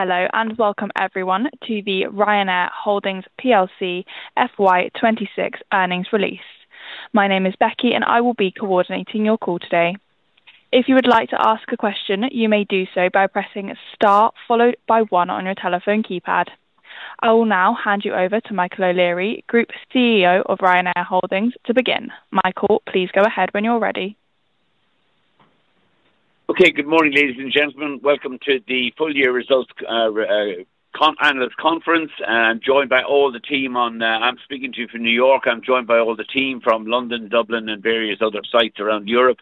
Hello and welcome everyone to the Ryanair Holdings plc FY 2026 earnings release. My name is Becky, and I will be coordinating your call today. If you would like to ask a question, you may do so by pressing star followed by one on your telephone keypad. I will now hand you over to Michael O'Leary, Group CEO of Ryanair Holdings, to begin. Michael, please go ahead when you're ready. Okay. Good morning, ladies and gentlemen. Welcome to the full-year results analyst conference. I'm joined by all the team on I'm speaking to you from New York. I'm joined by all the team from London, Dublin and various other sites around Europe.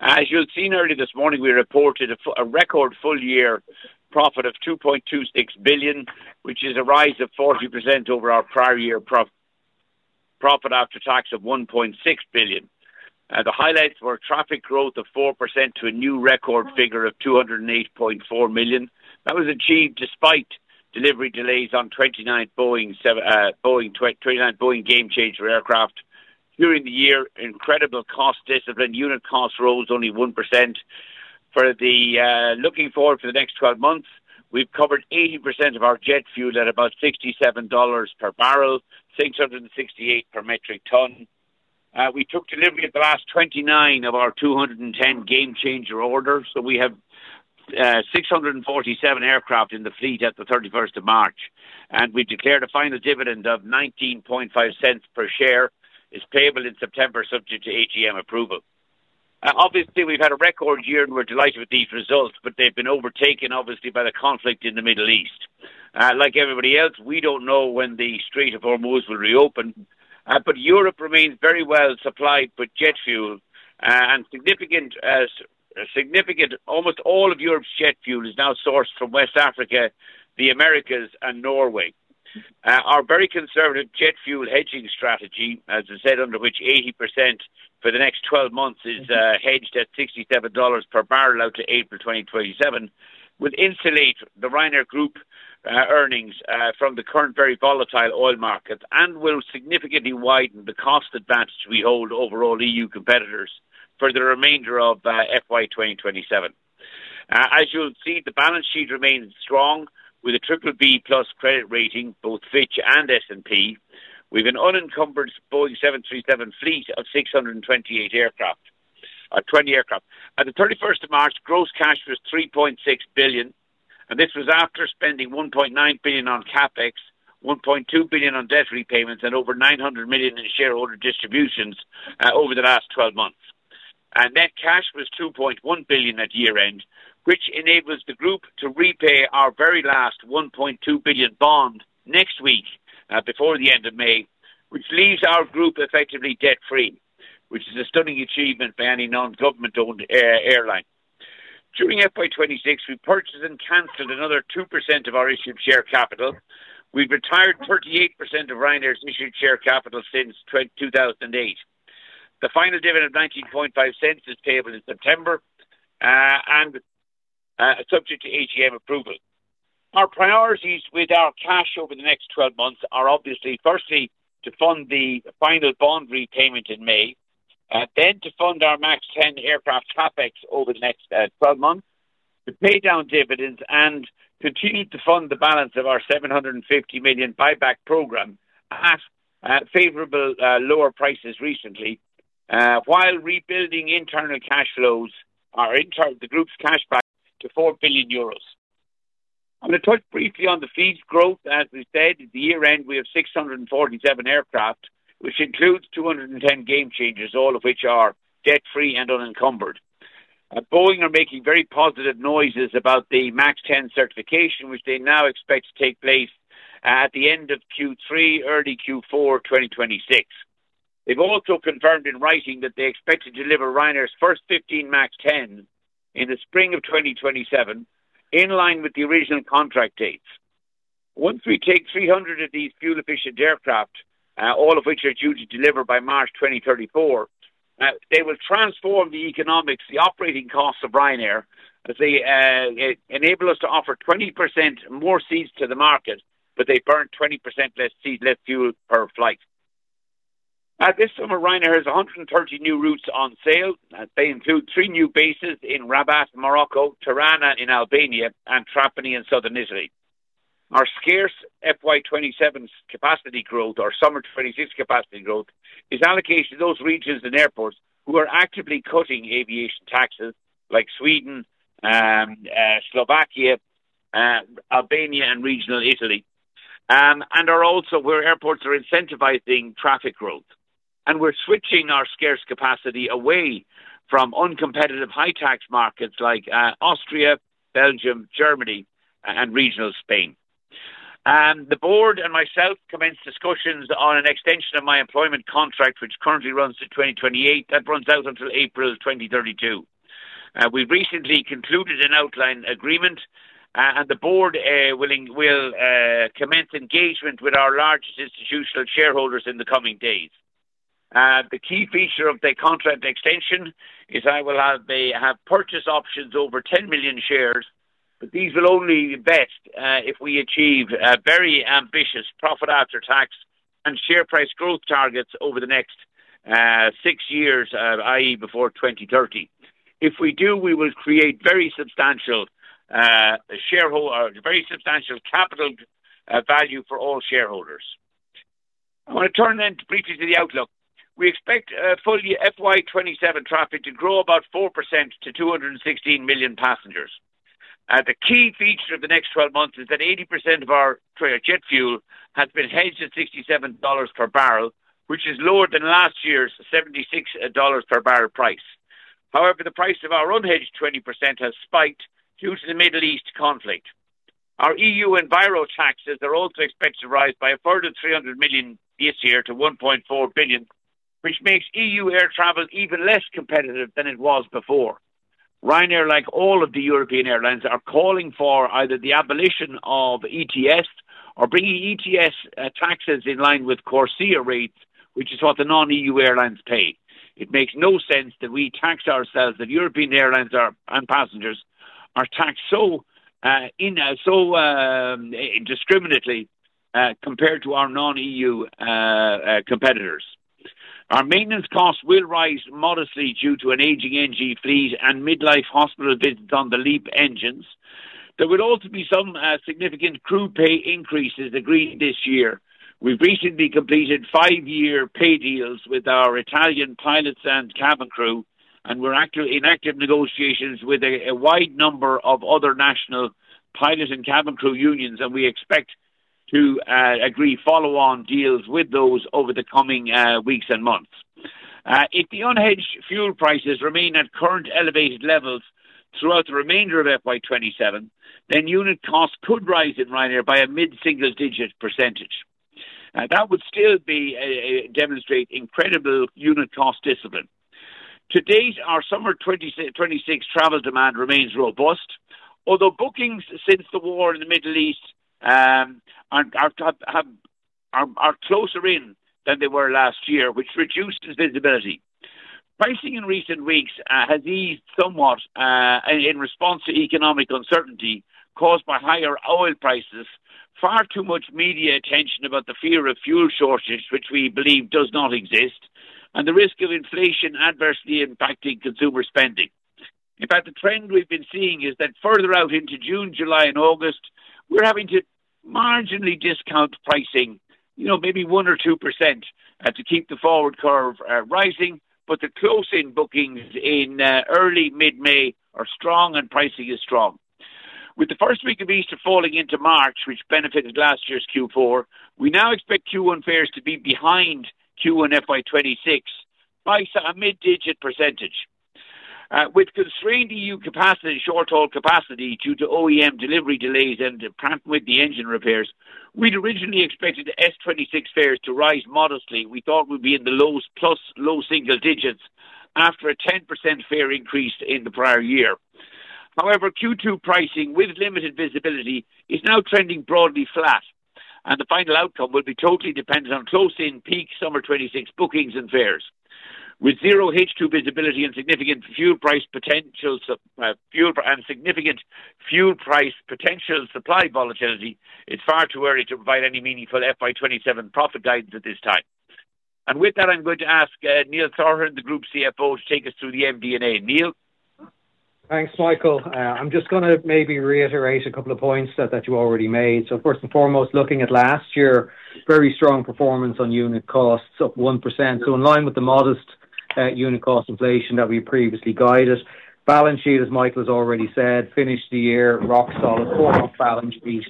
As you'll have seen early this morning, we reported a record full-year profit of 2.26 billion, which is a rise of 40% over our prior year profit after tax of 1.6 billion. The highlights were traffic growth of 4% to a new record figure of 208.4 million. That was achieved despite delivery delays on 29 Boeing Gamechanger aircraft. During the year, incredible cost discipline. Unit cost rose only 1%. For the, looking forward for the next 12 months, we've covered 80% of our jet fuel at about $67 per barrel, 668 per mt. We took delivery of the last 29 of our 210 Gamechanger orders. We have 647 aircraft in the fleet at the 31st of March. We declared a final dividend of 0.195 per share is payable in September, subject to AGM approval. Obviously we've had a record year and we're delighted with these results. They've been overtaken obviously by the conflict in the Middle East. Like everybody else, we don't know when the Strait of Hormuz will reopen. Europe remains very well supplied with jet fuel, and significant almost all of Europe's jet fuel is now sourced from West Africa, the Americas and Norway. Our very conservative jet fuel hedging strategy, as I said, under which 80% for the next 12 months is hedged at $67 per barrel out to April 2027, will insulate the Ryanair Group earnings from the current very volatile oil markets and will significantly widen the cost advantage we hold over all EU competitors for the remainder of FY 2027. As you'll see, the balance sheet remains strong with a BBB+ credit rating, both Fitch and S&P. We've an unencumbered Boeing 737 fleet of 628 aircraft, 20 aircraft. At the 31st of March gross cash was 3.6 billion. This was after spending 1.9 billion on CapEx, 1.2 billion on debt repayments and over 900 million in shareholder distributions over the last 12 months. Net cash was 2.1 billion at year-end, which enables the group to repay our very last 1.2 billion bond next week before the end of May, which leaves our group effectively debt free, which is a stunning achievement for any non-government owned airline. During FY 2026, we purchased and canceled another 2% of our issued share capital. We've retired 38% of Ryanair's issued share capital since 2008. The final dividend of 0.195 is payable in September, and subject to AGM approval. Our priorities with our cash over the next 12 months are obviously, firstly to fund the final bond repayment in May, then to fund our MAX 10 aircraft CapEx over the next 12 months, to pay down dividends and continue to fund the balance of our 750 million buyback program at favorable lower prices recently, while rebuilding internal cash flows or the group's cash back to 4 billion euros. I'm gonna touch briefly on the fleet growth. As we said, at the year-end we have 647 aircraft, which includes 210 Gamechangers, all of which are debt-free and unencumbered. Boeing are making very positive noises about the MAX 10 certification, which they now expect to take place at the end of Q3, early Q4 2026. They've also confirmed in writing that they expect to deliver Ryanair's first 15 MAX 10s in the spring of 2027 in line with the original contract dates. Once we take 300 of these fuel efficient aircraft, all of which are due to deliver by March 2034, they will transform the economics, the operating costs of Ryanair as they enable us to offer 20% more seats to the market, but they burn 20% less seat, less fuel per flight. This summer, Ryanair has 130 new routes on sale. They include 3 new bases in Rabat, Morocco, Tirana in Albania, and Trapani in Southern Italy. Our scarce FY 2027's capacity growth or summer 2026 capacity growth is allocated to those regions and airports who are actively cutting aviation taxes like Sweden, Slovakia, Albania and regional Italy, and are also where airports are incentivizing traffic growth. We're switching our scarce capacity away from uncompetitive high tax markets like Austria, Belgium, Germany and regional Spain. The board and myself commenced discussions on an extension of my employment contract, which currently runs to 2028. That runs out until April 2032. We recently concluded an outline agreement, and the board will commence engagement with our largest institutional shareholders in the coming days. The key feature of the contract extension is I will have the purchase options over 10 million shares, but these will only vest if we achieve a very ambitious profit after tax-share price growth targets over the next six years, i.e. before 2030. If we do, we will create very substantial capital value for all shareholders. I want to turn briefly to the outlook. We expect full-year FY 2027 traffic to grow about 4% to 216 million passengers. The key feature of the next 12 months is that 80% of our total jet fuel has been hedged at $67 per barrel, which is lower than last year's $76 per barrel price. However, the price of our unhedged 20% has spiked due to the Middle East conflict. Our EU Enviro taxes are also expected to rise by a further 300 million this year to 1.4 billion, which makes EU air travel even less competitive than it was before. Ryanair, like all of the European airlines, are calling for either the abolition of ETS or bringing ETS taxes in line with CORSIA rates, which is what the non-EU airlines pay. It makes no sense that we tax ourselves. European airlines are, and passengers are taxed so indiscriminately compared to our non-EU competitors. Our maintenance costs will rise modestly due to an aging NG fleet and mid-life hospital visits on the LEAP engines. There will also be some significant crew pay increases agreed this year. We've recently completed five-year pay deals with our Italian pilots and cabin crew. We're actively in active negotiations with a wide number of other national pilot and cabin crew unions, and we expect to agree follow on deals with those over the coming weeks and months. If the unhedged fuel prices remain at current elevated levels throughout the remainder of FY 2027, unit costs could rise in Ryanair by a mid-single digit percentage. That would still demonstrate incredible unit cost discipline. To date, our summer 2026 travel demand remains robust. Bookings since the war in the Middle East, are closer in than they were last year, which reduced visibility. Pricing in recent weeks has eased somewhat in response to economic uncertainty caused by higher oil prices, far too much media attention about the fear of fuel shortages, which we believe does not exist, and the risk of inflation adversely impacting consumer spending. In fact, the trend we've been seeing is that further out into June, July and August, we're having to marginally discount pricing, you know, maybe 1% or 2%, to keep the forward curve rising. The close-in bookings in early mid-May are strong and pricing is strong. With the first week of Easter falling into March, which benefited last year's Q4, we now expect Q1 fares to be behind Q1 FY 2026 by a mid-digit percentage. With constrained EU capacity and short-haul capacity due to OEM delivery delays and to CFM with the engine repairs, we'd originally expected S 26 fares to rise modestly. We thought we'd be in the lows plus low single digits after a 10% fare increase in the prior year. However, Q2 pricing with limited visibility is now trending broadly flat, and the final outcome will be totally dependent on close-in peak summer 26 bookings and fares. With 0 H2 visibility and significant fuel price potential supply volatility, it's far too early to provide any meaningful FY 2027 profit guidance at this time. With that, I'm going to ask Neil Sorahan, the Group CFO, to take us through the MD&A. Neil? Thanks, Michael. I'm just gonna maybe reiterate a couple of points that you already made. First and foremost, looking at last year, very strong performance on unit costs up 1%. In line with the modest unit cost inflation that we previously guided. Balance sheet, as Michael has already said, finished the year rock solid. Fortress balance sheets,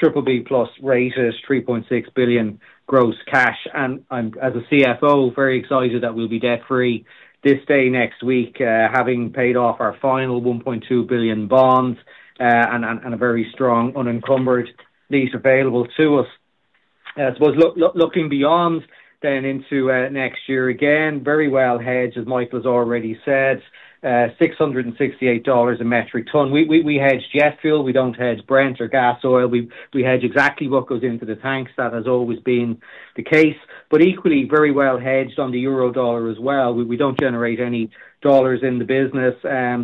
BBB+ rated, 3.6 billion gross cash. I'm, as a CFO, very excited that we'll be debt-free this day next week, having paid off our final 1.2 billion bonds, and a very strong unencumbered fleet available to us. I suppose looking beyond then into next year, again, very well hedged, as Michael has already said. $668 a mt. We hedge jet fuel. We don't hedge Brent or gas oil. We hedge exactly what goes into the tanks. That has always been the case, but equally very well hedged on the euro dollar as well. We don't generate any dollars in the business.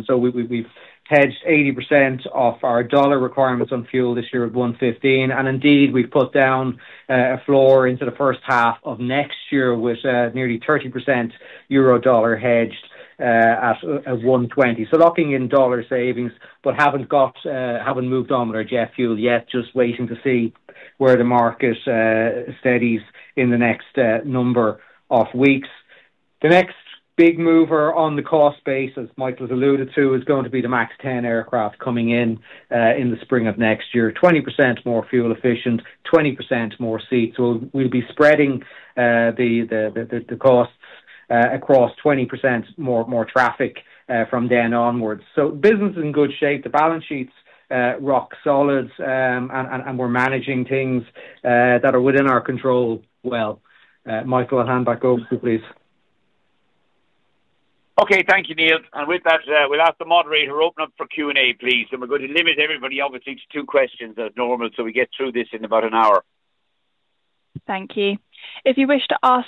So we've hedged 80% of our dollar requirements on fuel this year at 1.15. Indeed, we've put down a floor into the first half of next year with nearly 30% euro dollar hedged at 1.20. Locking in dollar savings, but haven't got, haven't moved on with our jet fuel yet, just waiting to see where the market steadies in the next number of weeks. The next big mover on the cost base, as Michael has alluded to, is going to be the MAX 10 aircraft coming in the spring of next year. 20% more fuel efficient, 20% more seats. We'll be spreading the costs across 20% more traffic from then onwards. Business is in good shape, the balance sheet's rock solid, and we're managing things that are within our control well. Michael, hand back over to you, please. Okay. Thank you, Neil. With that, we'll ask the moderator open up for Q&A, please. We're going to limit everybody, obviously, to two questions as normal, so we get through this in about an hour. Thank you. Our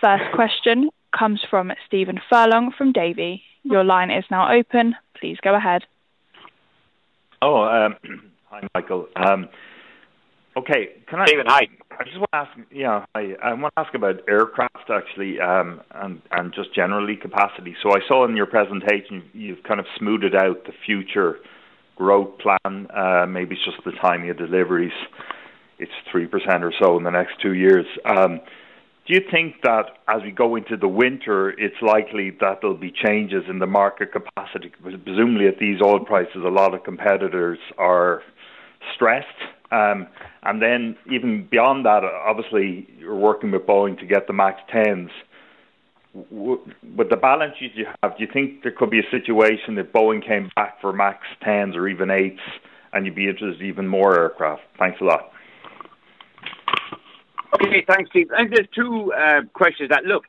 first question comes from Stephen Furlong from Davy. Your line is now open. Please go ahead. Oh, hi Michael. Okay. Stephen, hi. I just want to ask Yeah, hi. I want to ask about aircraft actually, and just generally capacity. I saw in your presentation you've kind of smoothed out the future growth plan. Maybe it's just the timing of deliveries. It's 3% or so in the next two years. Do you think that as we go into the winter, it's likely that there'll be changes in the market capacity? Presumably at these oil prices, a lot of competitors are stressed. Even beyond that, obviously you're working with Boeing to get the MAX 10s. With the balances you have, do you think there could be a situation that Boeing came back for MAX 10s or even 737-8s and you'd be interested in even more aircraft? Thanks a lot. Okay. Thanks, Steve. I think there's two questions. Look,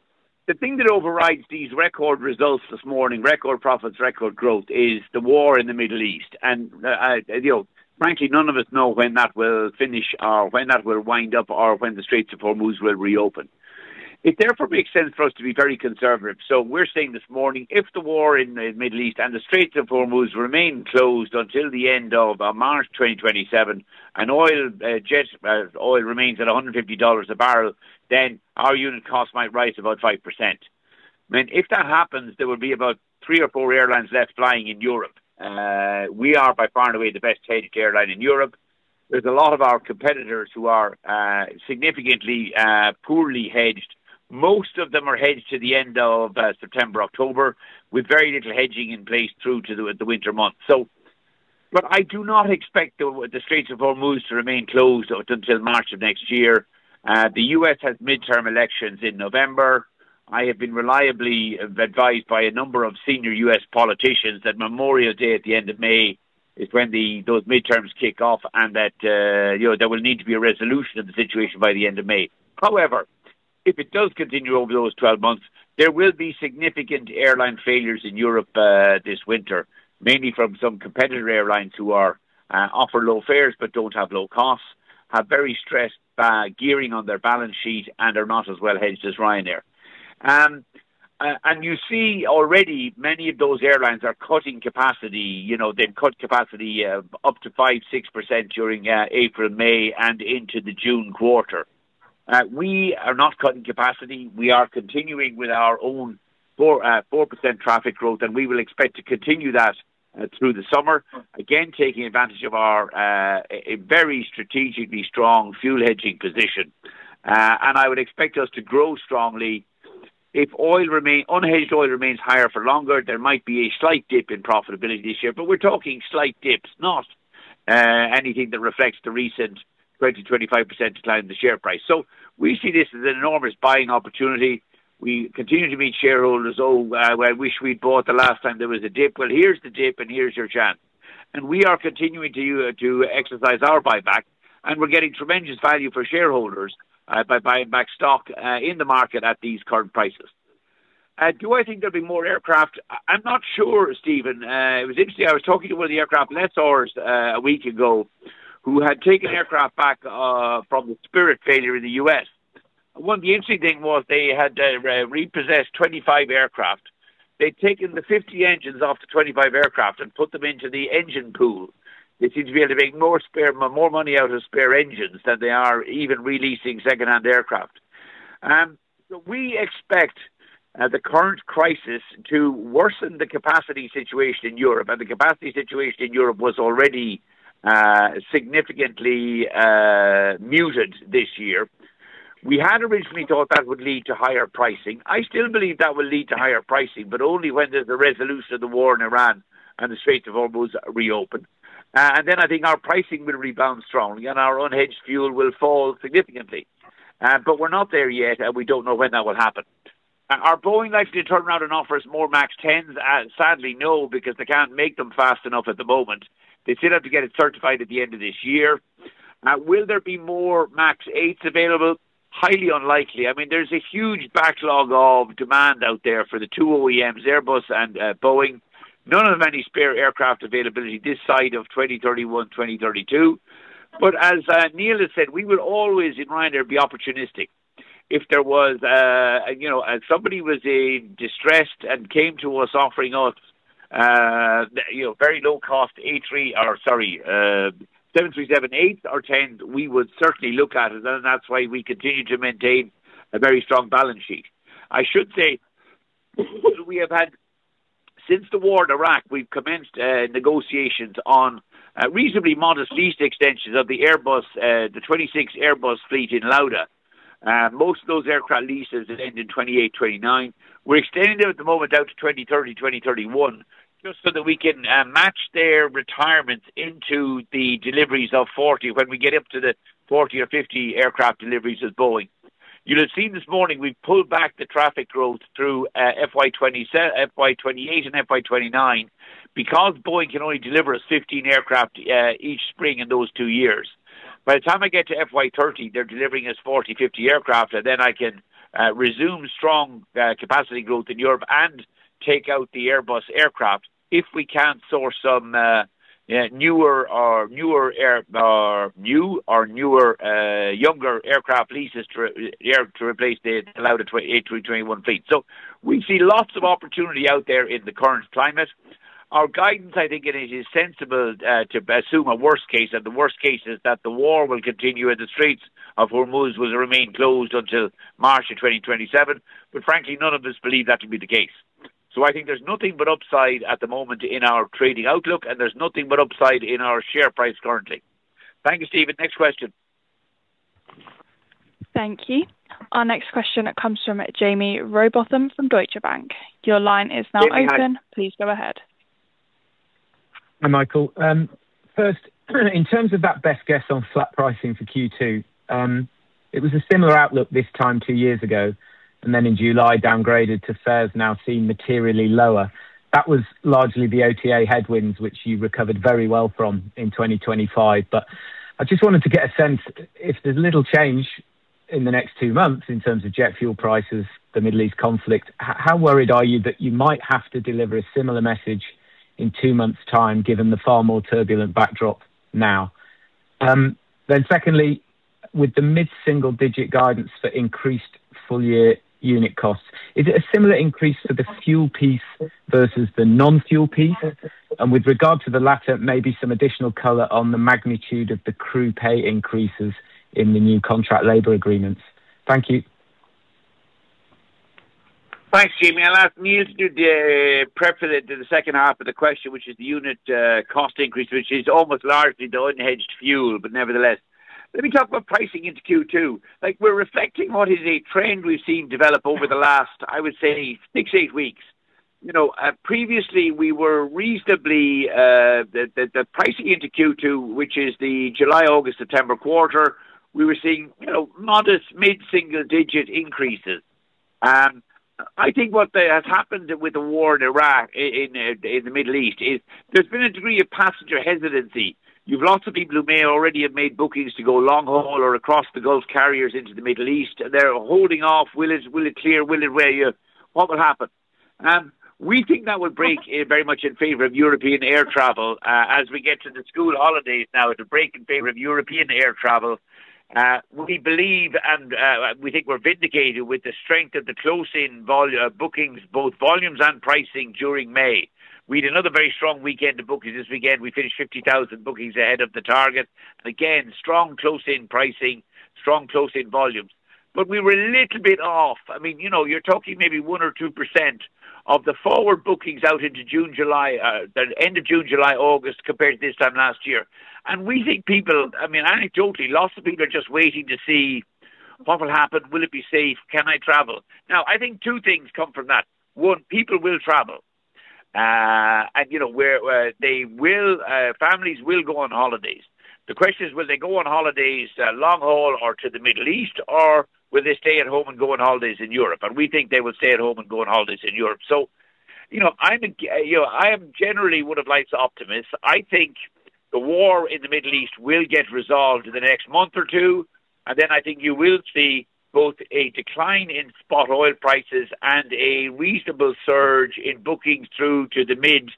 the thing that overrides these record results this morning, record profits, record growth, is the war in the Middle East. You know, frankly, none of us know when that will finish or when that will wind up or when the Strait of Hormuz will reopen. It therefore makes sense for us to be very conservative. We're saying this morning, if the war in the Middle East and the Strait of Hormuz remain closed until the end of March 2027 and oil, jet oil remains at $150 a barrel, then our unit cost might rise about 5%. I mean, if that happens, there will be about three or four airlines left flying in Europe. We are by far and away the best hedged airline in Europe. There's a lot of our competitors who are significantly poorly hedged. Most of them are hedged to the end of September, October, with very little hedging in place through to the winter months. Look, I do not expect the Strait of Hormuz to remain closed until March of next year. The U.S. has midterm elections in November. I have been reliably advised by a number of senior U.S. politicians that Memorial Day at the end of May is when those midterms kick off and that, you know, there will need to be a resolution of the situation by the end of May. If it does continue over those 12 months, there will be significant airline failures in Europe this winter, mainly from some competitor airlines who offer low fares but don't have low costs, have very stressed gearing on their balance sheet and are not as well hedged as Ryanair. You see already many of those airlines are cutting capacity. You know, they've cut capacity up to 5%-6% during April, May, and into the June quarter. We are not cutting capacity. We are continuing with our own 4% traffic growth, we will expect to continue that through the summer. Again, taking advantage of our a very strategically strong fuel hedging position. I would expect us to grow strongly. If unhedged oil remains higher for longer, there might be a slight dip in profitability this year. We're talking slight dips, not anything that reflects the recent 20% -25% decline in the share price. We see this as an enormous buying opportunity. We continue to meet shareholders. "Oh, well I wish we'd bought the last time there was a dip." Well, here's the dip and here's your chance. We are continuing to exercise our buyback, and we're getting tremendous value for shareholders by buying back stock in the market at these current prices. Do I think there'll be more aircraft? I'm not sure, Stephen. It was interesting, I was talking to one of the aircraft lessors a week ago who had taken aircraft back from the Spirit failure in the U.S. One of the interesting thing was they had repossessed 25 aircraft. They'd taken the 50 engines off the 25 aircraft and put them into the engine pool. They seem to be able to make more spare money out of spare engines than they are even releasing secondhand aircraft. We expect the current crisis to worsen the capacity situation in Europe, and the capacity situation in Europe was already significantly muted this year. We had originally thought that would lead to higher pricing. I still believe that will lead to higher pricing, only when there's a resolution of the war in Iran and the Strait of Hormuz reopen. I think our pricing will rebound strongly and our unhedged fuel will fall significantly. We're not there yet, and we don't know when that will happen. Are Boeing likely to turn around and offer us more MAX 10s? Sadly no, because they can't make them fast enough at the moment. They still have to get it certified at the end of this year. Will there be more MAX 8s available? Highly unlikely. I mean, there's a huge backlog of demand out there for the two OEMs, Airbus and Boeing. None of them have any spare aircraft availability this side of 2031, 2032. As Neil has said, we will always in Ryanair be opportunistic. If there was, if somebody was distressed and came to us offering us very low cost 737-8s or 10s, we would certainly look at it. That's why we continue to maintain a very strong balance sheet. I should say Since the war in Iraq, we've commenced negotiations on reasonably modest lease extensions of the Airbus, the 26 Airbus fleet in Lauda. Most of those aircraft leases that end in 2028, 2029, we're extending them at the moment out to 2030, 2031, just so that we can match their retirements into the deliveries of 40 when we get up to the 40 or 50 aircraft deliveries with Boeing. You'll have seen this morning we pulled back the traffic growth through FY 2028 and FY 2029 because Boeing can only deliver us 15 aircraft each spring in those two years. By the time I get to FY 2030, they're delivering us 40, 50 aircraft. Then I can resume strong capacity growth in Europe and take out the Airbus aircraft if we can't source some newer air or newer younger aircraft leases to replace the Lauda A321 fleet. We see lots of opportunity out there in the current climate. Our guidance, I think, it is sensible to assume a worst case. The worst case is that the war will continue and the Strait of Hormuz will remain closed until March of 2027. Frankly, none of us believe that to be the case. I think there's nothing but upside at the moment in our trading outlook, and there's nothing but upside in our share price currently. Thank you, Stephen. Next question. Thank you. Our next question comes from Jaime Rowbotham from Deutsche Bank. Your line is now open. Jaime, hi. Please go ahead. Hi, Michael. First, in terms of that best guess on flat pricing for Q2, it was a similar outlook this time 2 years ago, then in July downgraded to fares now seen materially lower. That was largely the OTA headwinds, which you recovered very well from in 2025. I just wanted to get a sense if there's little change in the next 2 months in terms of jet fuel prices, the Middle East conflict, how worried are you that you might have to deliver a similar message in 2 months' time, given the far more turbulent backdrop now? Secondly, with the mid-single-digit guidance for increased full-year unit costs, is it a similar increase for the fuel piece versus the non-fuel piece? With regard to the latter, maybe some additional color on the magnitude of the crew pay increases in the new contract labor agreements. Thank you. Thanks, Jaime. I'll ask Neil to do the prep for the second half of the question, which is the unit cost increase, which is almost largely the unhedged fuel. Nevertheless. Let me talk about pricing into Q2. We're reflecting what is a trend we've seen develop over the last, I would say, six, eight weeks. You know, previously we were reasonably, the pricing into Q2, which is the July, August, September quarter, we were seeing, you know, modest mid-single digit increases. I think what has happened with the war in Iraq, in the Middle East is there's been a degree of passenger hesitancy. You've lots of people who may already have made bookings to go long haul or across the Gulf carriers into the Middle East. They're holding off. Will it clear? What will happen? We think that would break very much in favor of European air travel as we get to the school holidays now. It'll break in favor of European air travel. We believe we think we're vindicated with the strength of the close-in bookings, both volumes and pricing during May. We had another very strong weekend of bookings this weekend. We finished 50,000 bookings ahead of the target. Again, strong close-in pricing, strong close-in volumes. We were a little bit off. I mean, you know, you're talking maybe 1% or 2% of the forward bookings out into June, July, the end of June, July, August, compared to this time last year. We think people, I mean, anecdotally, lots of people are just waiting to see what will happen. Will it be safe? Can I travel? I think 2 things come from that. 1, people will travel. you know, where they will, families will go on holidays. The question is, will they go on holidays, long haul or to the Middle East, or will they stay at home and go on holidays in Europe? We think they will stay at home and go on holidays in Europe. you know, You know, I am generally 1 of life's optimists. I think the war in the Middle East will get resolved in the next month or 2, I think you will see both a decline in spot oil prices and a reasonable surge in bookings through to the mid,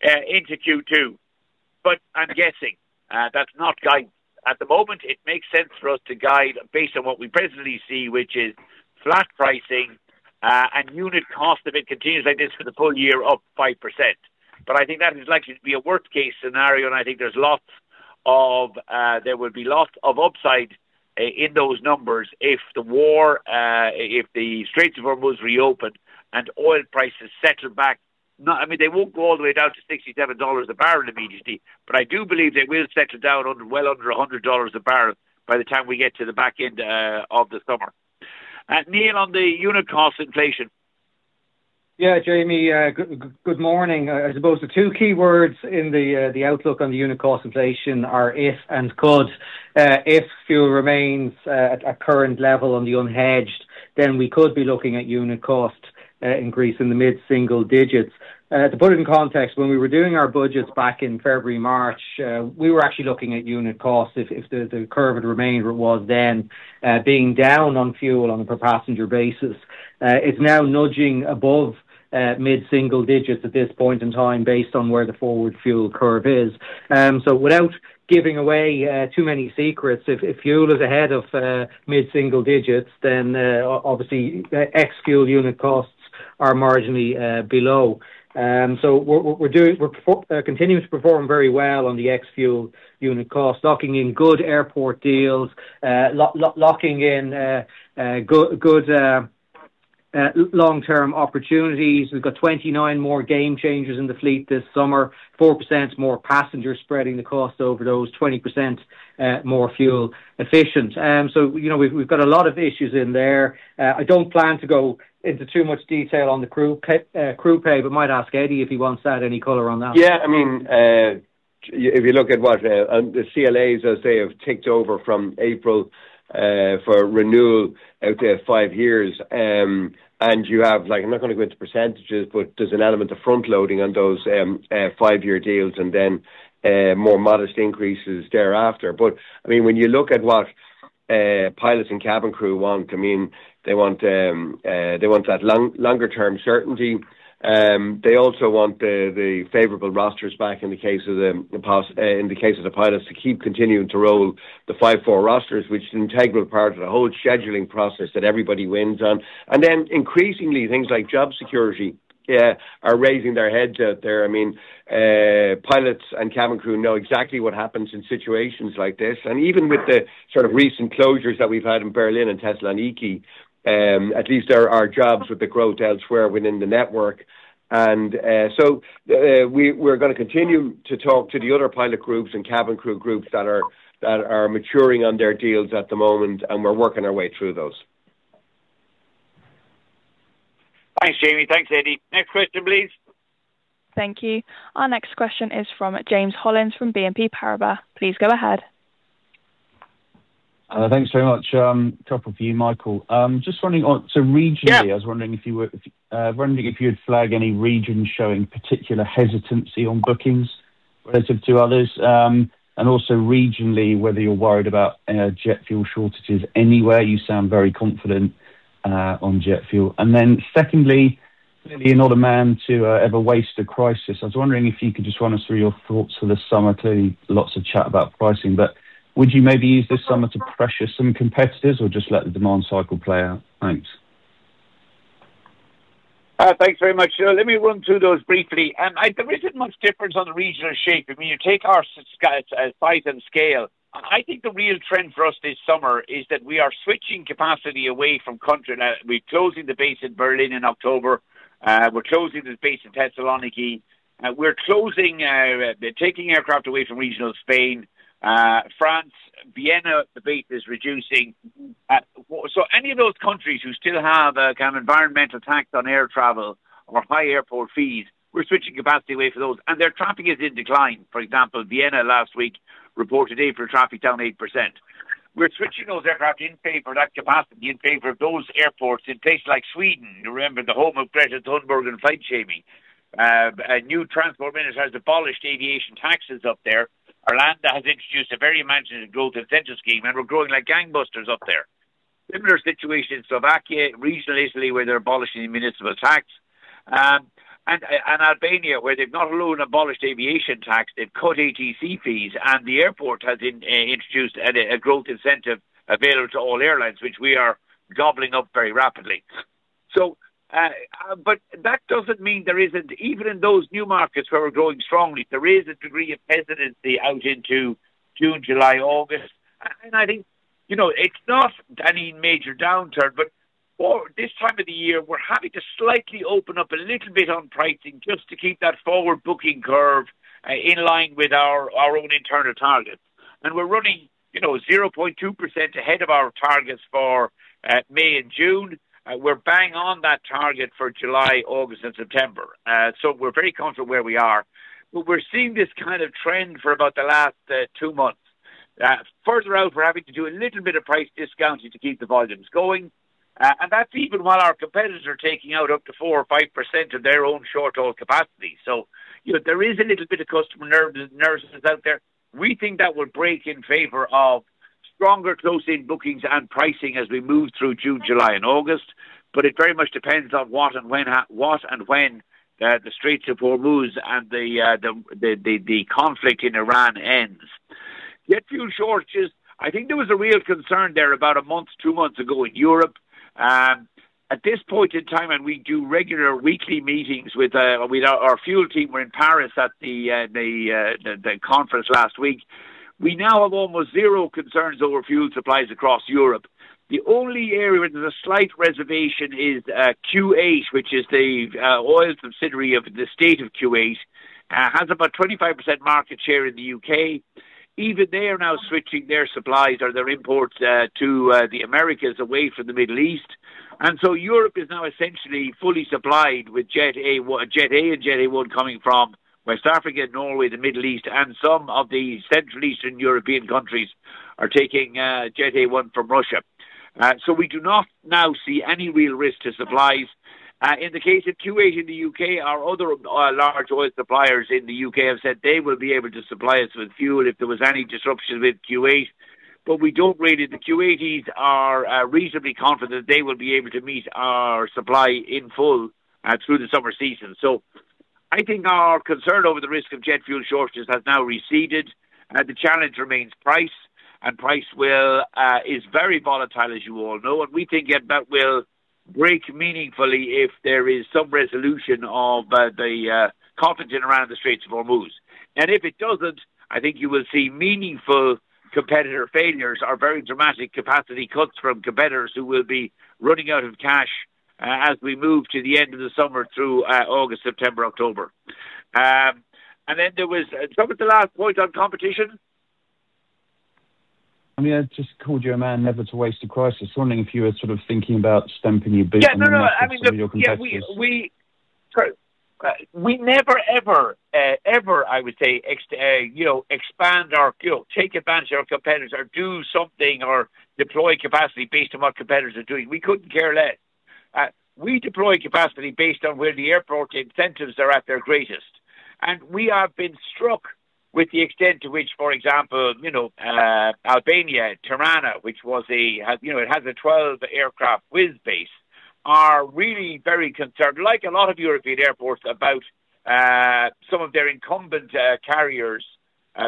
into Q2. I'm guessing, that's not guide. At the moment it makes sense for us to guide based on what we presently see, which is flat pricing, and unit cost, if it continues like this for the full-year, up 5%. I think that is likely to be a worst case scenario, and I think there's lots of, there will be lots of upside in those numbers if the war, if the Strait of Hormuz reopen and oil prices settle back. Not, I mean, they won't go all the way down to $67 a barrel immediately, but I do believe they will settle down under, well under $100 a barrel by the time we get to the back end of the summer. Neil Sorahan, on the unit cost inflation. Yeah, Jamie, good morning. I suppose the two key words in the outlook on the unit cost inflation are if and could. If fuel remains at a current level on the unhedged, then we could be looking at unit cost increase in the mid-single digits. To put it in context, when we were doing our budgets back in February, March, we were actually looking at unit costs if the curve had remained where it was then, being down on fuel on a per passenger basis. It's now nudging above mid-single digits at this point in time based on where the forward fuel curve is. Without giving away too many secrets, if fuel is ahead of mid-single digits, then obviously ex-fuel unit costs are marginally below. we're continuing to perform very well on the ex-fuel unit cost, locking in good airport deals, locking in good long-term opportunities. We've got 29 more Gamechangers in the fleet this summer, 4% more passengers spreading the cost over those, 20% more fuel efficient. you know, we've got a lot of issues in there. I don't plan to go into too much detail on the crew pay, but might ask Eddie if he wants to add any color on that. Yeah, I mean, if you look at what the CLAs as they have ticked over from April for renewal out to five years. You have like I'm not gonna go into percentages, but there's an element of front-loading on those five-year deals and then more modest increases thereafter. I mean, when you look at what pilots and cabin crew want, I mean, they want that longer-term certainty. They also want the favorable rosters back in the case of the pilots to keep continuing to roll the five-four rosters, which is an integral part of the whole scheduling process that everybody wins on. Increasingly, things like job security, yeah, are raising their heads out there. I mean, pilots and cabin crew know exactly what happens in situations like this. Even with the sort of recent closures that we've had in Berlin and Thessaloniki, at least there are jobs with the growth elsewhere within the network. We're going to continue to talk to the other pilot groups and cabin crew groups that are maturing on their deals at the moment, and we're working our way through those. Thanks, Jamie. Thanks, Eddie. Next question, please. Thank you. Our next question is from James Hollins from BNP Paribas. Please go ahead. Thanks very much. A couple for you, Michael. Just wondering so regionally. Yeah I was wondering if you'd flag any region showing particular hesitancy on bookings relative to others. Also regionally, whether you're worried about jet fuel shortages anywhere. You sound very confident on jet fuel. Secondly, clearly you're not a man to ever waste a crisis. I was wondering if you could just run us through your thoughts for this summer. Clearly, lots of chat about pricing, but would you maybe use this summer to pressure some competitors or just let the demand cycle play out? Thanks. Thanks very much. Let me run through those briefly. There isn't much difference on the regional shape. I mean, you take our size and scale. I think the real trend for us this summer is that we are switching capacity away from country. We're closing the base in Berlin in October. We're closing the base in Thessaloniki. We're closing, we're taking aircraft away from regional Spain, France. Vienna, the base is reducing. Any of those countries who still have a kind of environmental tax on air travel or high airport fees, we're switching capacity away for those, and their traffic is in decline. For example, Vienna last week reported April traffic down 8%. We're switching those aircraft in favor of that capacity, in favor of those airports in places like Sweden. You remember the home of Greta Thunberg and flight shaming. A new transport minister has abolished aviation taxes up there. Arlanda has introduced a very imaginative growth incentive scheme, we're growing like gangbusters up there. Similar situation in Slovakia, regional Italy, where they're abolishing municipal tax. Albania, where they've not alone abolished aviation tax, they've cut ATC fees, and the airport has introduced a growth incentive available to all airlines, which we are gobbling up very rapidly. That doesn't mean there isn't even in those new markets where we're growing strongly, there is a degree of hesitancy out into June, July, August. I think, you know, it's not any major downturn, but for this time of the year, we're having to slightly open up a little bit on pricing just to keep that forward-booking curve in line with our own internal targets. We're running, you know, 0.2% ahead of our targets for May and June. We're bang on that target for July, August and September. We're very comfortable where we are. We're seeing this kind of trend for about the last two months. Further out, we're having to do a little bit of price discounting to keep the volumes going. That's even while our competitors are taking out up to 4% or 5% of their own short-haul capacity. You know, there is a little bit of customer nervousness out there. We think that will break in favor of stronger close-in bookings and pricing as we move through June, July and August. It very much depends on what and when what and when the Strait of Hormuz and the conflict in Iran ends. Jet fuel shortages, I think there was a real concern there about a month, two months ago in Europe. At this point in time, and we do regular weekly meetings with our fuel team. We're in Paris at the conference last week. We now have almost zero concerns over fuel supplies across Europe. The only area where there's a slight reservation is Q8, which is the oil subsidiary of the state of Kuwait. Has about 25% market share in the U.K. Even they are now switching their supplies or their imports to the Americas away from the Middle East. Europe is now essentially fully supplied with Jet A, Jet A and Jet A-1 coming from West Africa, Norway, the Middle East and some of the Central Eastern European countries are taking Jet A-1 from Russia. We do not now see any real risk to supplies. In the case of Kuwait and the U.K., our other large oil suppliers in the U.K. have said they will be able to supply us with fuel if there was any disruption with Kuwait. We don't really. The Kuwaitis are reasonably confident they will be able to meet our supply in full through the summer season. I think our concern over the risk of jet fuel shortages has now receded. The challenge remains price is very volatile, as you all know. We think that will break meaningfully if there is some resolution of the conflict in around the Straits of Hormuz. If it doesn't, I think you will see meaningful competitor failures or very dramatic capacity cuts from competitors who will be running out of cash as we move to the end of the summer through August, September, October. What was the last point on competition? I mean, I just called you a man never to waste a crisis. I was wondering if you were sort of thinking about stamping your boot- Yeah, no, no. on some of your competitors. I mean, look, yeah, we never, ever, I would say, expand our, you know, take advantage of our competitors or do something or deploy capacity based on what competitors are doing. We couldn't care less. We deploy capacity based on where the airport incentives are at their greatest. We have been struck with the extent to which, for example, you know, Albania, Tirana, which was a, has, you know, it has a 12-aircraft Wizz base, are really very concerned, like a lot of European airports, about some of their incumbent carriers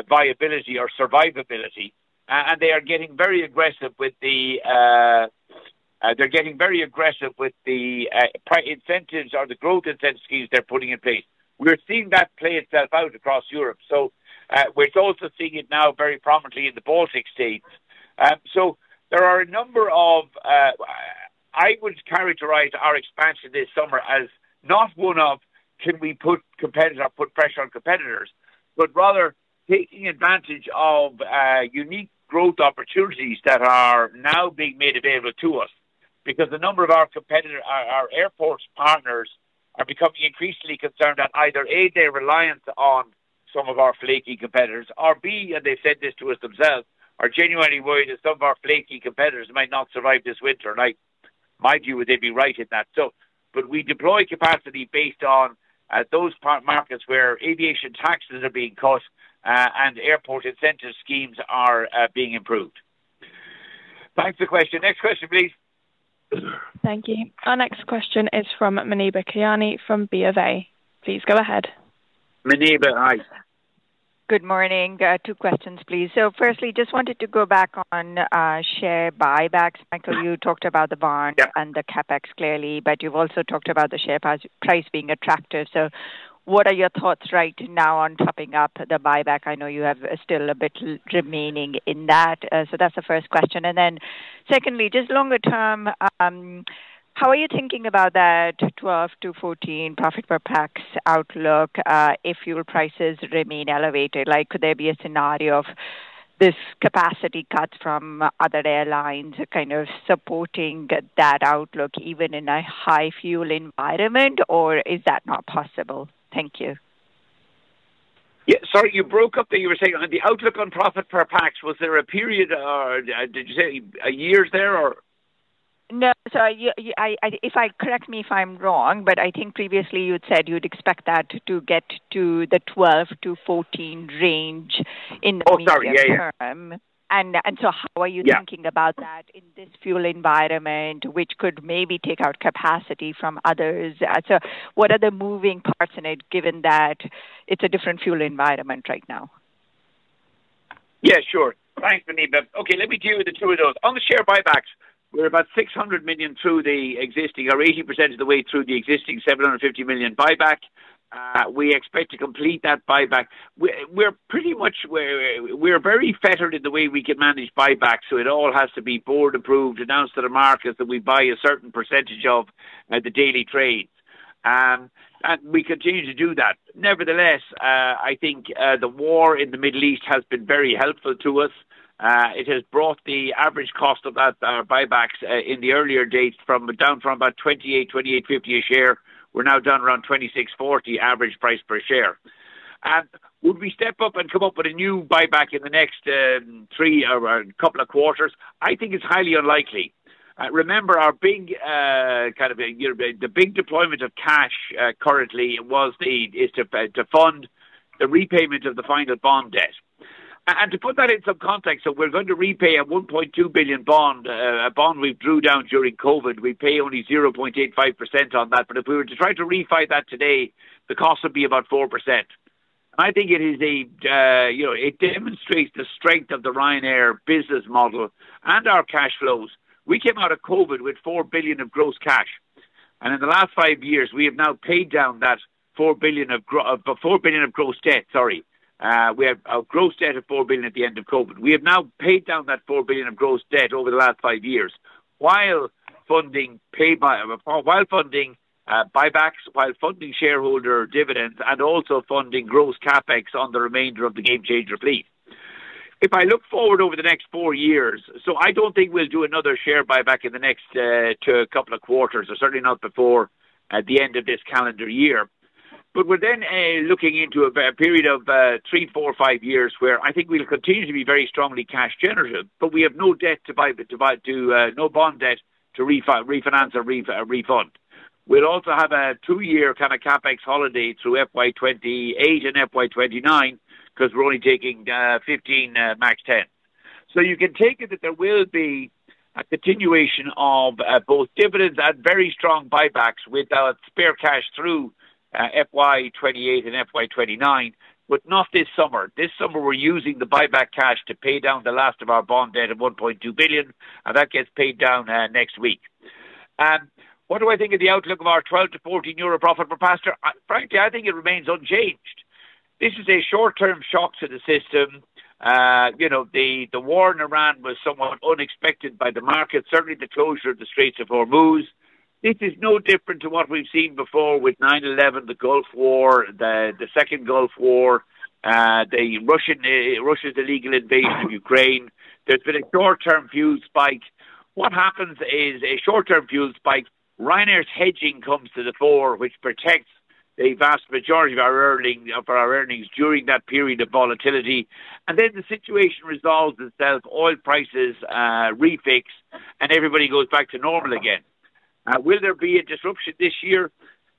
viability or survivability. They are getting very aggressive with the incentives or the growth incentive schemes they're putting in place. We're seeing that play itself out across Europe. We're also seeing it now very prominently in the Baltic states. There are a number of I would characterize our expansion this summer as not one of can we put competitor or put pressure on competitors, but rather taking advantage of unique growth opportunities that are now being made available to us because a number of our competitor, our airport partners are becoming increasingly concerned that either, A, their reliance on some of our flaky competitors or, B, and they've said this to us themselves, are genuinely worried that some of our flaky competitors might not survive this winter. Like, my view would they'd be right in that. But we deploy capacity based on those markets where aviation taxes are being cut, and airport incentive schemes are being improved. Thanks for the question. Next question, please. Thank you. Our next question is from Muneeba Kayani from BofA. Please go ahead. Muneeba, hi. Good morning. Two questions, please. Firstly, just wanted to go back on share buybacks. Michael, you talked about. Yeah The CapEx clearly, but you've also talked about the share price being attractive. What are your thoughts right now on topping up the buyback? I know you have still a bit remaining in that. That's the first question. Secondly, just longer-term, how are you thinking about that 12-14 profit per pax outlook if fuel prices remain elevated? Like, could there be a scenario of this capacity cuts from other airlines kind of supporting that outlook even in a high fuel environment, or is that not possible? Thank you. Yeah. Sorry, you broke up there. You were saying on the outlook on profit per pax, was there a period or, did you say years there or? No. Correct me if I'm wrong, but I think previously you'd said you'd expect that to get to the 12-14 range in the. Oh, sorry. Yeah. -medium term. how are you- Yeah Thinking about that in this fuel environment, which could maybe take out capacity from others? What are the moving parts in it, given that it's a different fuel environment right now? Yeah, sure. Thanks, Muneeba. Okay, let me deal with the two of those. On the share buybacks, we're about 600 million through the existing or 80% of the way through the existing 750 million buyback. We expect to complete that buyback. We're pretty much very fettered in the way we can manage buyback, so it all has to be board approved, announced to the market that we buy a certain percentage of the daily trades. We continue to do that. Nevertheless, I think the war in the Middle East has been very helpful to us. It has brought the average cost of that buybacks in the earlier dates from down from about 28, 28.50 a share. We're now down around 26.40 average price per share. Would we step up and come up with a new buyback in the next three or a couple of quarters? I think it's highly unlikely. Remember our big deployment of cash currently is to fund the repayment of the final bond debt. To put that in some context, we're going to repay a 1.2 billion bond, a bond we drew down during COVID. We pay only 0.85% on that, but if we were to try to refi that today, the cost would be about 4%. I think it demonstrates the strength of the Ryanair business model and our cash flows. We came out of COVID with 4 billion of gross cash, and in the last five years, we have now paid down that 4 billion of gross debt, sorry. We have a gross debt of 4 billion at the end of COVID. We have now paid down that 4 billion of gross debt over the last five years while funding paid by, while funding buybacks, while funding shareholder dividends, and also funding gross CapEx on the remainder of the Gamechanger fleet. If I look forward over the next four years, so I don't think we'll do another share buyback in the next two couple of quarters, or certainly not before the end of this calendar year. We're then looking into a period of three, four, five years where I think we'll continue to be very strongly cash generative, but we have no debt to buy, to no bond debt to refinance or refund. We'll also have a two-year kind of CapEx holiday through FY 2028 and FY 2029 'cause we're only taking 15 MAX 10. You can take it that there will be a continuation of both dividends and very strong buybacks with our spare cash through FY 2028 and FY 2029, but not this summer. This summer we're using the buyback cash to pay down the last of our bond debt of 1.2 billion, and that gets paid down next week. What do I think of the outlook of our 12- 14 euro profit per passenger? Frankly, I think it remains unchanged. This is a short-term shock to the system. You know, the war in Iran was somewhat unexpected by the market, certainly the closure of the Straits of Hormuz. This is no different to what we've seen before with 9/11, the Gulf War, the Second Gulf War, the Russian, Russia's illegal invasion of Ukraine. There's been a short-term fuel spike. What happens is a short-term fuel spike, Ryanair's hedging comes to the fore, which protects the vast majority of our earnings during that period of volatility, the situation resolves itself, oil prices refix, everybody goes back to normal again. Will there be a disruption this year?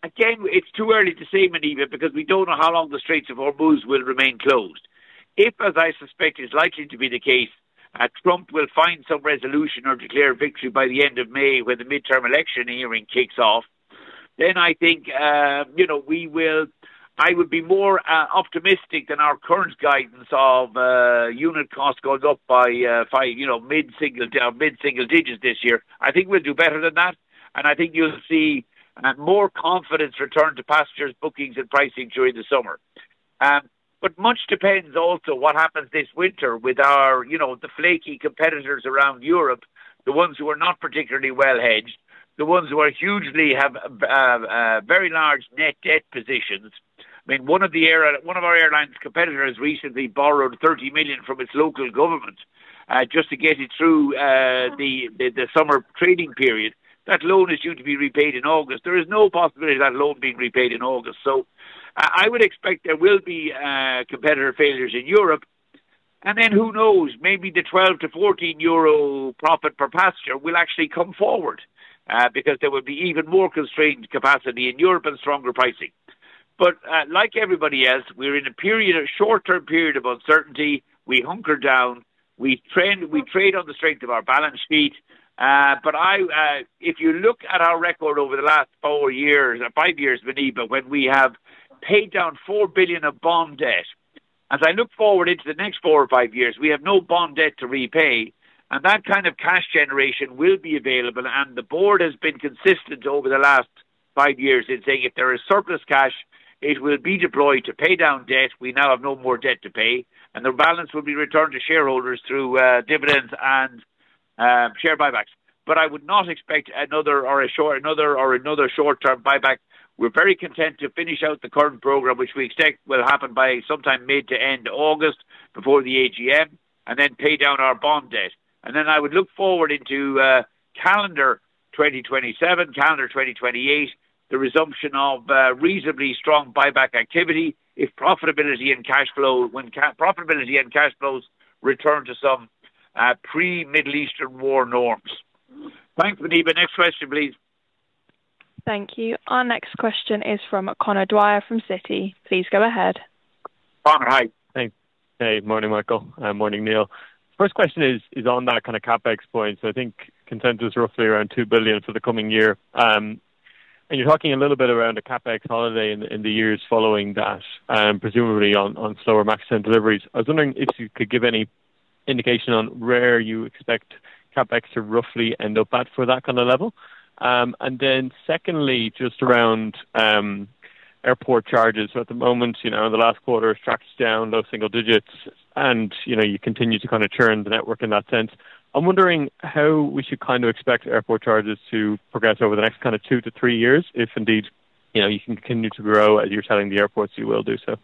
It's too early to say, Muneeba, because we don't know how long the Straits of Hormuz will remain closed. If, as I suspect is likely to be the case, Trump will find some resolution or declare victory by the end of May, when the midterm election hearing kicks off, then I think, you know, I would be more optimistic than our current guidance of unit costs going up by five, you know, mid-single digits this year. I think we'll do better than that, and I think you'll see more confidence return to passengers' bookings and pricing during the summer. But much depends also what happens this winter with our, you know, the flaky competitors around Europe, the ones who are not particularly well-hedged, the ones who are hugely have very large net debt positions. I mean, one of our airline's competitor has recently borrowed 30 million from its local government just to get it through the summer trading period. That loan is soon to be repaid in August. There is no possibility of that loan being repaid in August. I would expect there will be competitor failures in Europe. Who knows, maybe the 12-14 euro profit per passenger will actually come forward because there will be even more constrained capacity in Europe and stronger pricing. Like everybody else, we're in a period of short-term period of uncertainty. We hunker down. We trade on the strength of our balance sheet. If you look at our record over the last four years, five years, Muneeba, when we have paid down 4 billion of bond debt. As I look forward into the next four or five years, we have no bond debt to repay, that kind of cash generation will be available. The board has been consistent over the last five years in saying if there is surplus cash, it will be deployed to pay down debt. We now have no more debt to pay, the balance will be returned to shareholders through dividends and share buybacks. I would not expect another short-term buyback. We are very content to finish out the current program, which we expect will happen by sometime mid to end August, before the AGM, then pay down our bond debt. I would look forward into calendar 2027, calendar 2028, the resumption of reasonably strong buyback activity if profitability and cash flows return to some pre-Middle Eastern war norms. Thanks, Muneeba. Next question, please. Thank you. Our next question is from Conor Dwyer from Citi. Please go ahead. Conor, hi. Thanks. Morning, Michael. Morning, Neil. First question is on that kind of CapEx point. I think consensus roughly around 2 billion for the coming year. And you're talking a little bit around a CapEx holiday in the years following that, presumably on slower MAX 10 deliveries. I was wondering if you could give any indication on where you expect CapEx to roughly end up at for that kind of level. And then secondly, just around airport charges. At the moment, you know, the last quarter tracks down low single digits and, you know, you continue to kinda churn the network in that sense. I'm wondering how we should kind of expect airport charges to progress over the next kind of two- three years, if indeed, you know, you continue to grow as you're telling the airports you will do so.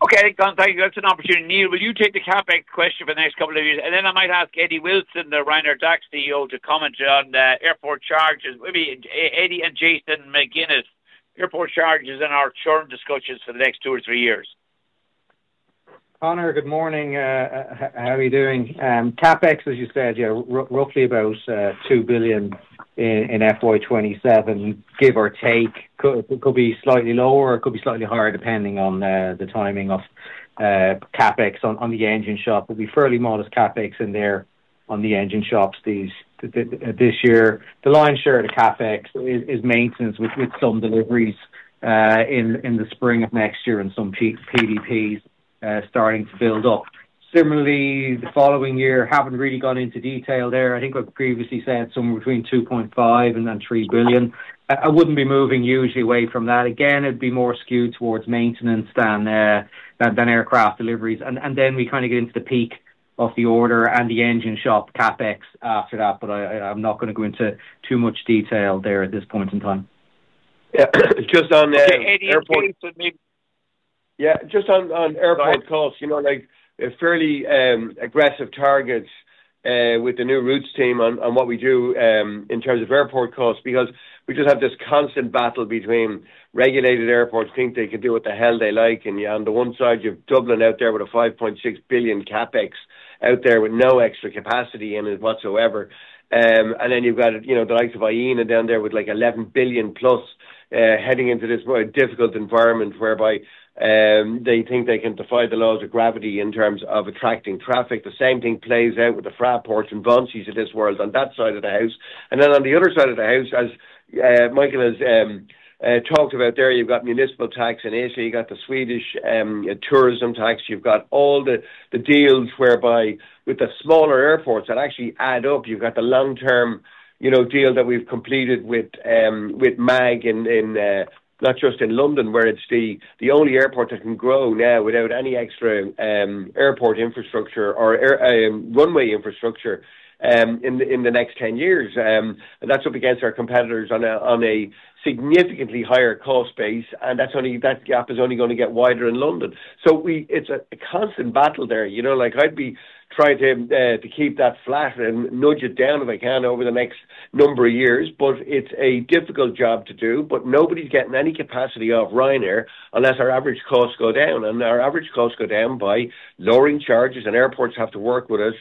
Okay, Conor, that's an opportunity. Neil, will you take the CapEx question for the next couple of years? I might ask Eddie Wilson, the Ryanair DAC CEO, to comment on the airport charges. Maybe Eddie and Jason McGuinness, airport charges in our short discussions for the next two or three years. Conor, good morning. How are you doing? CapEx, as you said, yeah, roughly about 2 billion in FY 2027, give or take. Could be slightly lower, could be slightly higher, depending on the timing of CapEx on the engine shop. There'll be fairly modest CapEx in there on the engine shops this year. The lion's share to CapEx is maintenance with some deliveries in the spring of next year and some PDPs starting to build up. Similarly, the following year, haven't really gone into detail there. I think I've previously said somewhere between 2.5 billion and 3 billion. I wouldn't be moving hugely away from that. Again, it'd be more skewed towards maintenance than aircraft deliveries. Then we kind of get into the peak of the order and the engine shop CapEx after that, but I, I'm not gonna go into too much detail there at this point in time. Yeah. Just on, Okay, Eddie. Airports- Excuse me. Yeah, just on airport costs. Go ahead. You know, like fairly aggressive targets with the new routes team on what we do in terms of airport costs because we just have this constant battle between regulated airports think they can do what the hell they like. Yeah, on the one side, you've Dublin out there with a 5.6 billion CapEx out there with no extra capacity in it whatsoever. Then you've got, you know, the likes of Aena down there with like 11 billion-plus. Heading into this very difficult environment whereby, they think they can defy the laws of gravity in terms of attracting traffic. The same thing plays out with the Fraports and VINCI's of this world on that side of the house. On the other side of the house, as Michael has talked about there, you've got municipal tax in Asia, you've got the Swedish tourism tax. You've got all the deals whereby with the smaller airports that actually add up. You've got the long-term, you know, deal that we've completed with MAG in, not just in London where it's the only airport that can grow now without any extra airport infrastructure or air runway infrastructure in the next 10 years. That's up against our competitors on a, on a significantly higher cost base, that gap is only gonna get wider in London. It's a constant battle there, you know? Like, I'd be trying to keep that flat and nudge it down if I can over the next number of years, but it's a difficult job to do. Nobody's getting any capacity off Ryanair unless our average costs go down, our average costs go down by lowering charges, and airports have to work with us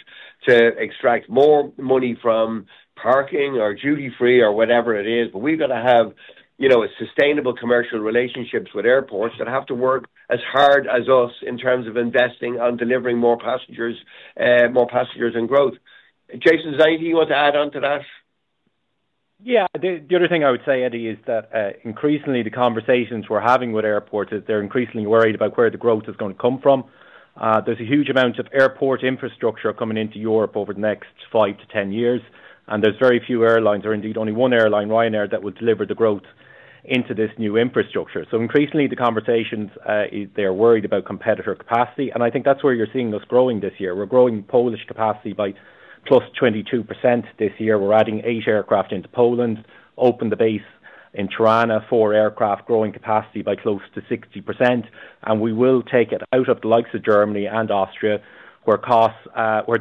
to extract more money from parking or duty free or whatever it is. We've gotta have, you know, sustainable commercial relationships with airports that have to work as hard as us in terms of investing on delivering more passengers, more passengers and growth. Jason, is there anything you want to add onto that? Yeah. The other thing I would say, Eddie, is that increasingly the conversations we're having with airports is they're increasingly worried about where the growth is going to come from. There's a huge amount of airport infrastructure coming into Europe over the next five - 10 years, there's very few airlines or indeed only one airline, Ryanair, that would deliver the growth into this new infrastructure. Increasingly the conversations is they're worried about competitor capacity, I think that's where you're seeing us growing this year. We're growing Polish capacity by +22% this year. We're adding 8 aircraft into Poland, open the base in Tirana, four aircraft growing capacity by close to 60%. We will take it out of the likes of Germany and Austria where costs, where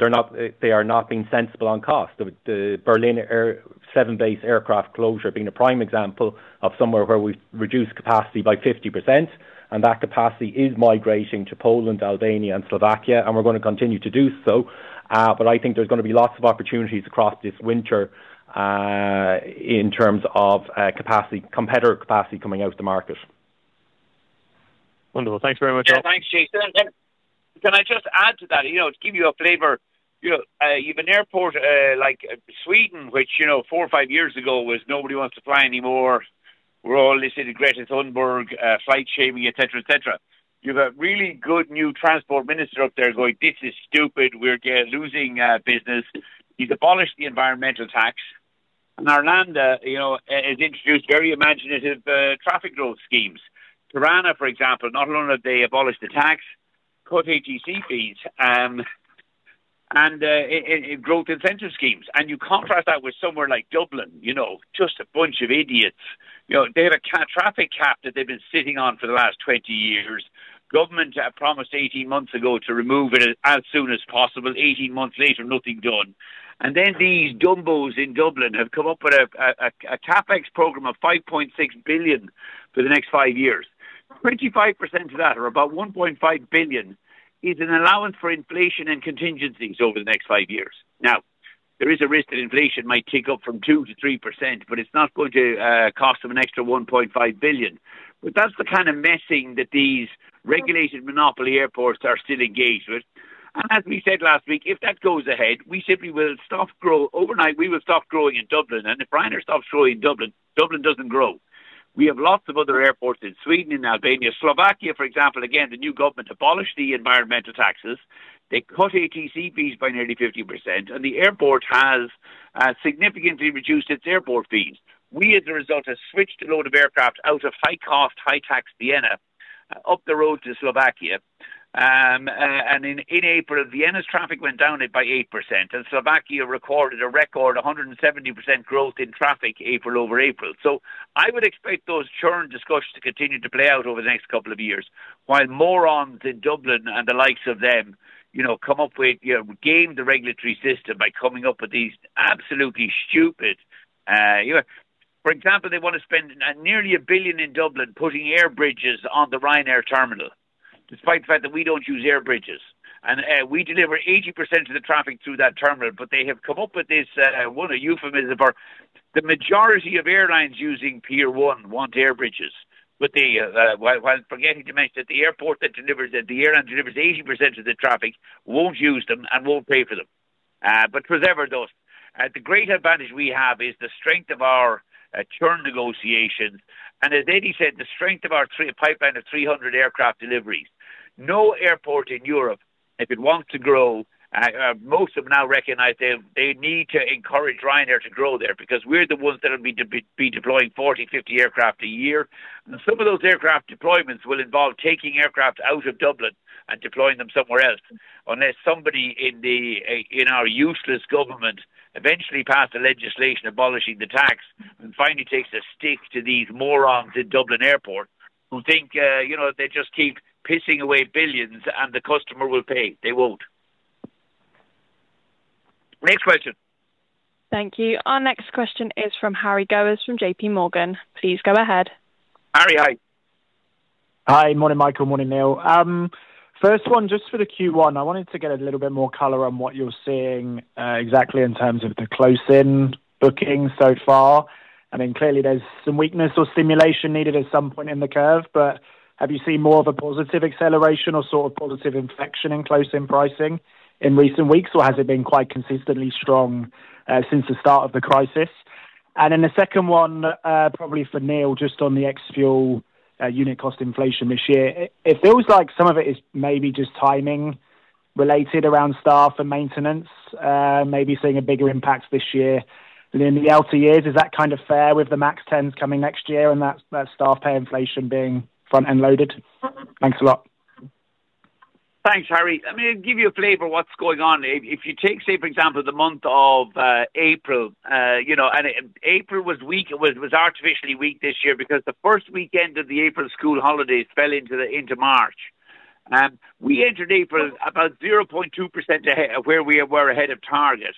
they are not being sensible on cost. The Berlin air-- 7 base aircraft closure being a prime example of somewhere where we've reduced capacity by 50%, and that capacity is migrating to Poland, Albania and Slovakia, and we're gonna continue to do so. I think there's gonna be lots of opportunities across this winter, in terms of capacity-- competitor capacity coming out of the market. Wonderful. Thanks very much. Thanks, Jason. Can I just add to that? To give you a flavor, you've an airport like Sweden which, four or five years ago, was nobody wants to fly anymore. We're all listening to Greta Thunberg, flight shaming, et cetera, et cetera. You've a really good new transport minister up there going, "This is stupid. We're losing business." He's abolished the environmental tax and Arlanda has introduced very imaginative traffic growth schemes. Tirana, for example, not only have they abolished the tax, cut ATC fees, and in growth incentive schemes. You contrast that with somewhere like Dublin, just a bunch of idiots. They have a traffic cap that they've been sitting on for the last 20 years. Government promised 18 months ago to remove it as soon as possible. 18 months later, nothing done. Then these dumbos in Dublin have come up with a CapEx program of 5.6 billion for the next five years. 25% of that are about 1.5 billion, is an allowance for inflation and contingencies over the next 5 years. There is a risk that inflation might tick up from 2%-3%, but it's not going to cost them an extra 1.5 billion. That's the kind of messing that these regulated monopoly airports are still engaged with. As we said last week, if that goes ahead, we simply will stop growing overnight in Dublin, and if Ryanair stops growing in Dublin doesn't grow. We have lots of other airports in Sweden and Albania. Slovakia, for example, again, the new government abolished the environmental taxes. They cut ATC fees by nearly 50%, and the airport has significantly reduced its airport fees. We as a result have switched a load of aircraft out of high-cost, high-tax Vienna up the road to Slovakia. In April, Vienna's traffic went down by 8%, and Slovakia recorded a record 170% growth in traffic April over April. I would expect those churn discussions to continue to play out over the next couple of years while morons in Dublin and the likes of them, you know, come up with, you know, game the regulatory system by coming up with these absolutely stupid, you know. For example, they want to spend nearly 1 billion in Dublin putting air bridges on the Ryanair terminal despite the fact that we don't use air bridges. We deliver 80% of the traffic through that terminal, but they have come up with this, what a euphemism for the majority of airlines using Pier 1 want air bridges. They, while forgetting to mention that the airport that delivers it, the airline delivers 80% of the traffic won't use them and won't pay for them. The great advantage we have is the strength of our churn negotiations, and as Eddie said, the strength of our pipeline of 300 aircraft deliveries. No airport in Europe, if it wants to grow, most of them now recognize they need to encourage Ryanair to grow there because we're the ones that'll be deploying 40, 50 aircraft a year. Some of those aircraft deployments will involve taking aircraft out of Dublin and deploying them somewhere else. Unless somebody in the in our useless government eventually pass the legislation abolishing the tax and finally takes a stick to these morons in Dublin Airport who think, you know, they just keep pissing away billions and the customer will pay. They won't. Next question. Thank you. Our next question is from Harry Gowers from JP Morgan. Please go ahead. Harry, hi. Hi. Morning, Michael. Morning, Neil. First one, just for the Q1, I wanted to get a little bit more color on what you're seeing exactly in terms of the close-in booking so far. I mean, clearly there's some weakness or simulation needed at some point in the curve. Have you seen more of a positive acceleration or sort of positive inflection in close-in pricing in recent weeks, or has it been quite consistently strong since the start of the crisis? The second one, probably for Neil, just on the ex-fuel unit cost inflation this year. It feels like some of it is maybe just timing related around staff and maintenance, maybe seeing a bigger impact this year than in the outer years. Is that kind of fair with the MAX 10s coming next year and that staff pay inflation being front-end loaded? Thanks a lot. Thanks, Harry. Let me give you a flavor of what's going on. If you take, say for example, the month of April was weak. It was artificially weak this year because the first weekend of the April school holidays fell into March. We entered April about 0.2% where we were ahead of target.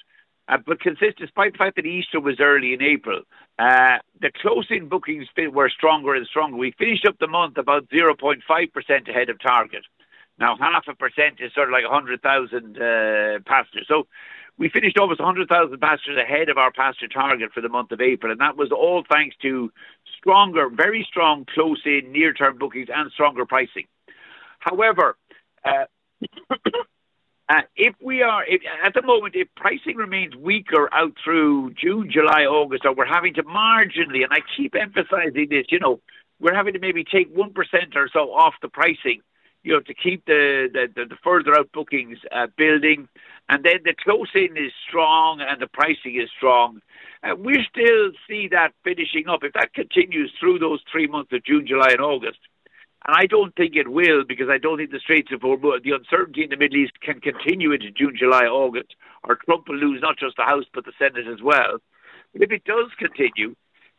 Despite the fact that Easter was early in April, the close-in bookings still were stronger and stronger. We finished up the month about 0.5% ahead of target. 0.5% is sort of like 100,000 passengers. We finished almost 100,000 passengers ahead of our passenger target for the month of April, that was all thanks to stronger, very strong close-in near-term bookings and stronger pricing. However, if at the moment, if pricing remains weaker out through June, July, August, or we're having to marginally, and I keep emphasizing this, you know, we're having to maybe take 1% or so off the pricing, you know, to keep the further out bookings building. The close-in is strong and the pricing is strong. We still see that finishing up. If that continues through those three months of June, July and August, and I don't think it will because I don't think the Strait of Hormuz, the uncertainty in the Middle East can continue into June, July, August, or Trump will lose not just the House but the Senate as well. If it does continue,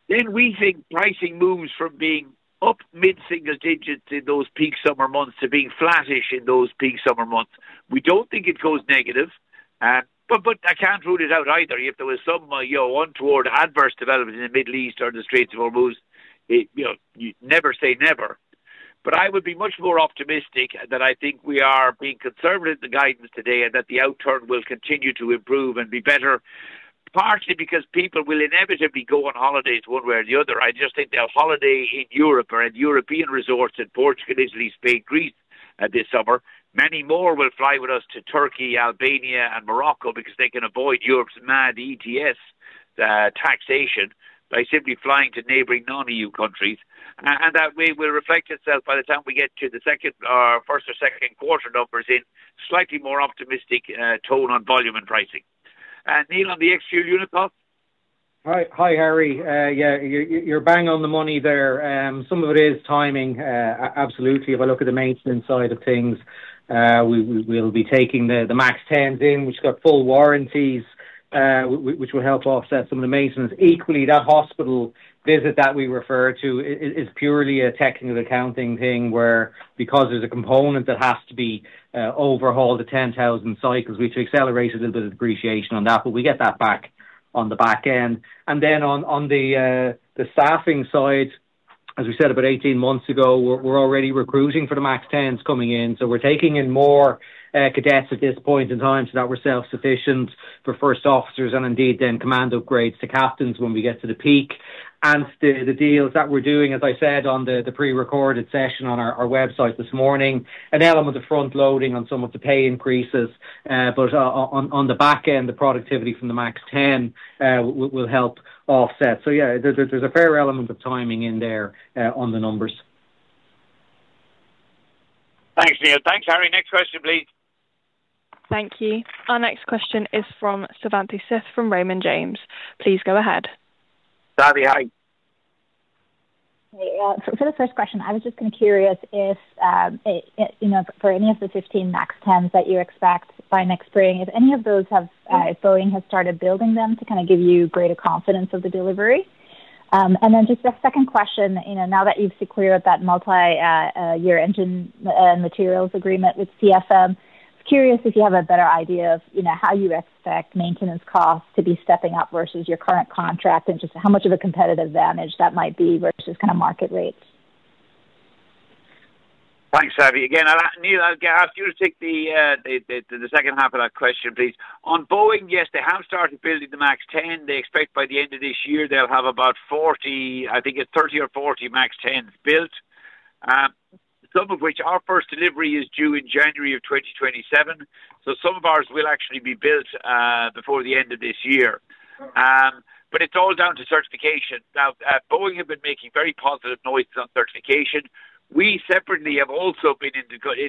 then we think pricing moves from being up mid-single digits in those peak summer months to being flattish in those peak summer months. We don't think it goes negative. I can't rule it out either. If there was some, you know, untoward adverse development in the Middle East or the Strait of Hormuz, it, you know, you never say never. I would be much more optimistic that I think we are being conservative in the guidance today and that the outturn will continue to improve and be better, partially because people will inevitably go on holidays one way or the other. I just think they'll holiday in Europe or at European resorts in Portugal, Italy, Spain, Greece, this summer. Many more will fly with us to Turkey, Albania and Morocco because they can avoid Europe's mad ETS taxation by simply flying to neighboring non-EU countries. That will reflect itself by the time we get to the second or first or second quarter numbers in slightly more optimistic tone on volume and pricing. Neil, on the ex-fuel unit cost? Hi, Harry. Yeah, you're bang on the money there. Some of it is timing. Absolutely. If I look at the maintenance side of things, we'll be taking the MAX 10s in, which have got full warranties, which will help offset some of the maintenance. Equally, that hospital visit that we refer to is purely a technical accounting thing where because there's a component that has to be overhauled to 10,000 cycles, we've accelerated a bit of depreciation on that, but we get that back on the back end. On the staffing side, as we said about 18 months ago, we're already recruiting for the MAX 10s coming in. We're taking in more cadets at this point in time so that we're self-sufficient for first officers and indeed then command upgrades to captains when we get to the peak. The, the deals that we're doing, as I said on the prerecorded session on our website this morning, an element of front loading on some of the pay increases, but on the back end, the productivity from the MAX 10 will help offset. Yeah, there's a fair element of timing in there on the numbers. Thanks, Neil. Thanks, Harry. Next question, please. Thank you. Our next question is from Savanthi Syth from Raymond James. Please go ahead. Savanthi, hi. Hey. For the first question, I was just kind of curious if, you know, for any of the 15 MAX 10s that you expect by next spring, if any of those have, if Boeing has started building them to kind of give you greater confidence of the delivery? Just a second question. You know, now that you've secured that multi-year engine materials agreement with CFM, curious if you have a better idea of, you know, how you expect maintenance costs to be stepping up versus your current contract and just how much of a competitive advantage that might be versus kind of market rates. Thanks, Savi. Again, I'll ask Neil. I'll ask you to take the second half of that question, please. On Boeing, yes, they have started building the MAX 10. They expect by the end of this year they'll have about 40, 30 or 40 MAX 10s built. Some of which our first delivery is due in January of 2027. Some of ours will actually be built before the end of this year. It's all down to certification. Boeing have been making very positive noises on certification. We separately have also been in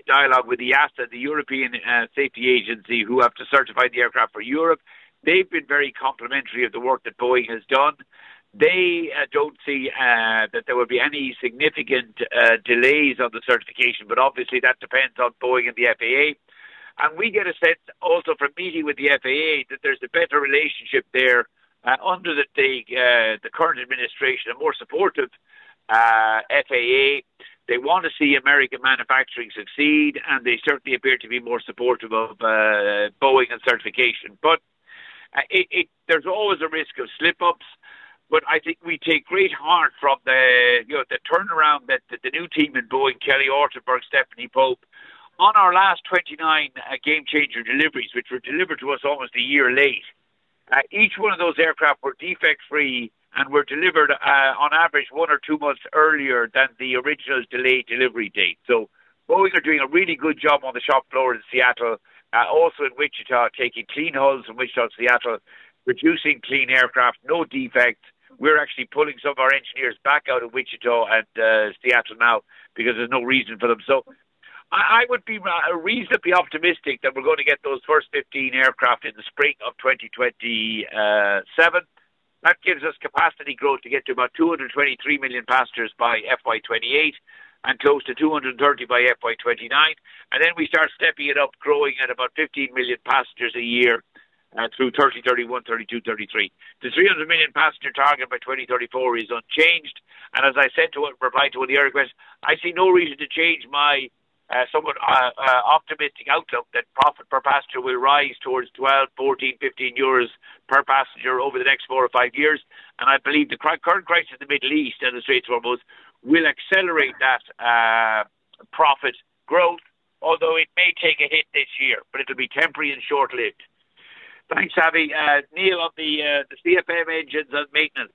dialogue with the EASA, the European Safety Agency, who have to certify the aircraft for Europe. They've been very complimentary of the work that Boeing has done. They don't see that there will be any significant delays on the certification, but obviously that depends on Boeing and the FAA. We get a sense also from meeting with the FAA that there's a better relationship there under the current administration, a more supportive FAA. They want to see American manufacturing succeed, and they certainly appear to be more supportive of Boeing and certification. There's always a risk of slip-ups, but I think we take great heart from the, you know, the turnaround that the new team in Boeing, Kelly Ortberg, Stephanie Pope. On our last 29 Gamechanger deliveries, which were delivered to us almost a year late, each one of those aircraft were defect-free and were delivered on average one or two months earlier than the original delayed delivery date. Boeing are doing a really good job on the shop floor in Seattle, also in Wichita, taking clean hulls in Wichita and Seattle, producing clean aircraft, no defects. We're actually pulling some of our engineers back out of Wichita and Seattle now because there's no reason for them. I would be reasonably optimistic that we're going to get those first 15 aircraft in the spring of 2027. That gives us capacity growth to get to about 223 million passengers by FY 2028 and close to 230 by FY 2029. Then we start stepping it up, growing at about 15 million passengers a year through 2030, 2031, 2032, 2033. The 300 million passenger target by 2034 is unchanged. As I said to a reply to one of the other requests, I see no reason to change my somewhat optimistic outlook that profit per passenger will rise towards 12, 14, 15 euros per passenger over the next four or five years. I believe the current crisis in the Middle East and the Strait of Hormuz will accelerate that profit growth, although it may take a hit this year, but it'll be temporary and short-lived. Thanks, Savi. Neil, on the CFM engines and maintenance.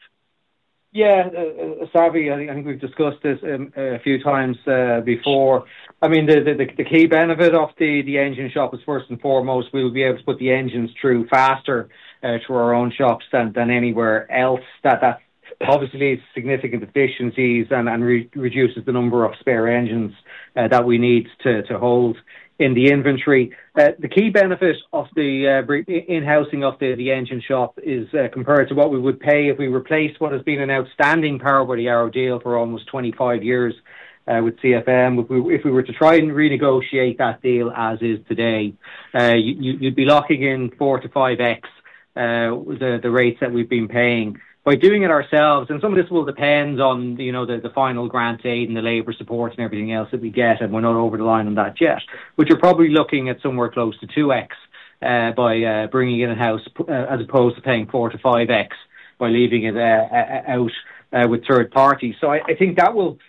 Savi, I think we've discussed this a few times before. I mean, the key benefit of the engine shop is, first and foremost, we'll be able to put the engines through faster through our own shops than anywhere else. That obviously is significant efficiencies and reduces the number of spare engines that we need to hold in the inventory. The key benefit of the in-housing of the engine shop is compared to what we would pay if we replaced what has been an outstanding power-by-the-hour deal for almost 25 years with CFM. If we were to try and renegotiate that deal as is today, you'd be locking in four- 5x the rates that we've been paying. By doing it ourselves, some of this will depend on, you know, the final grant aid and the labor support and everything else that we get, and we're not over the line on that yet, but you're probably looking at somewhere close to 2x by bringing it in-house as opposed to paying 4x-5x by leaving it out with third party. I think that will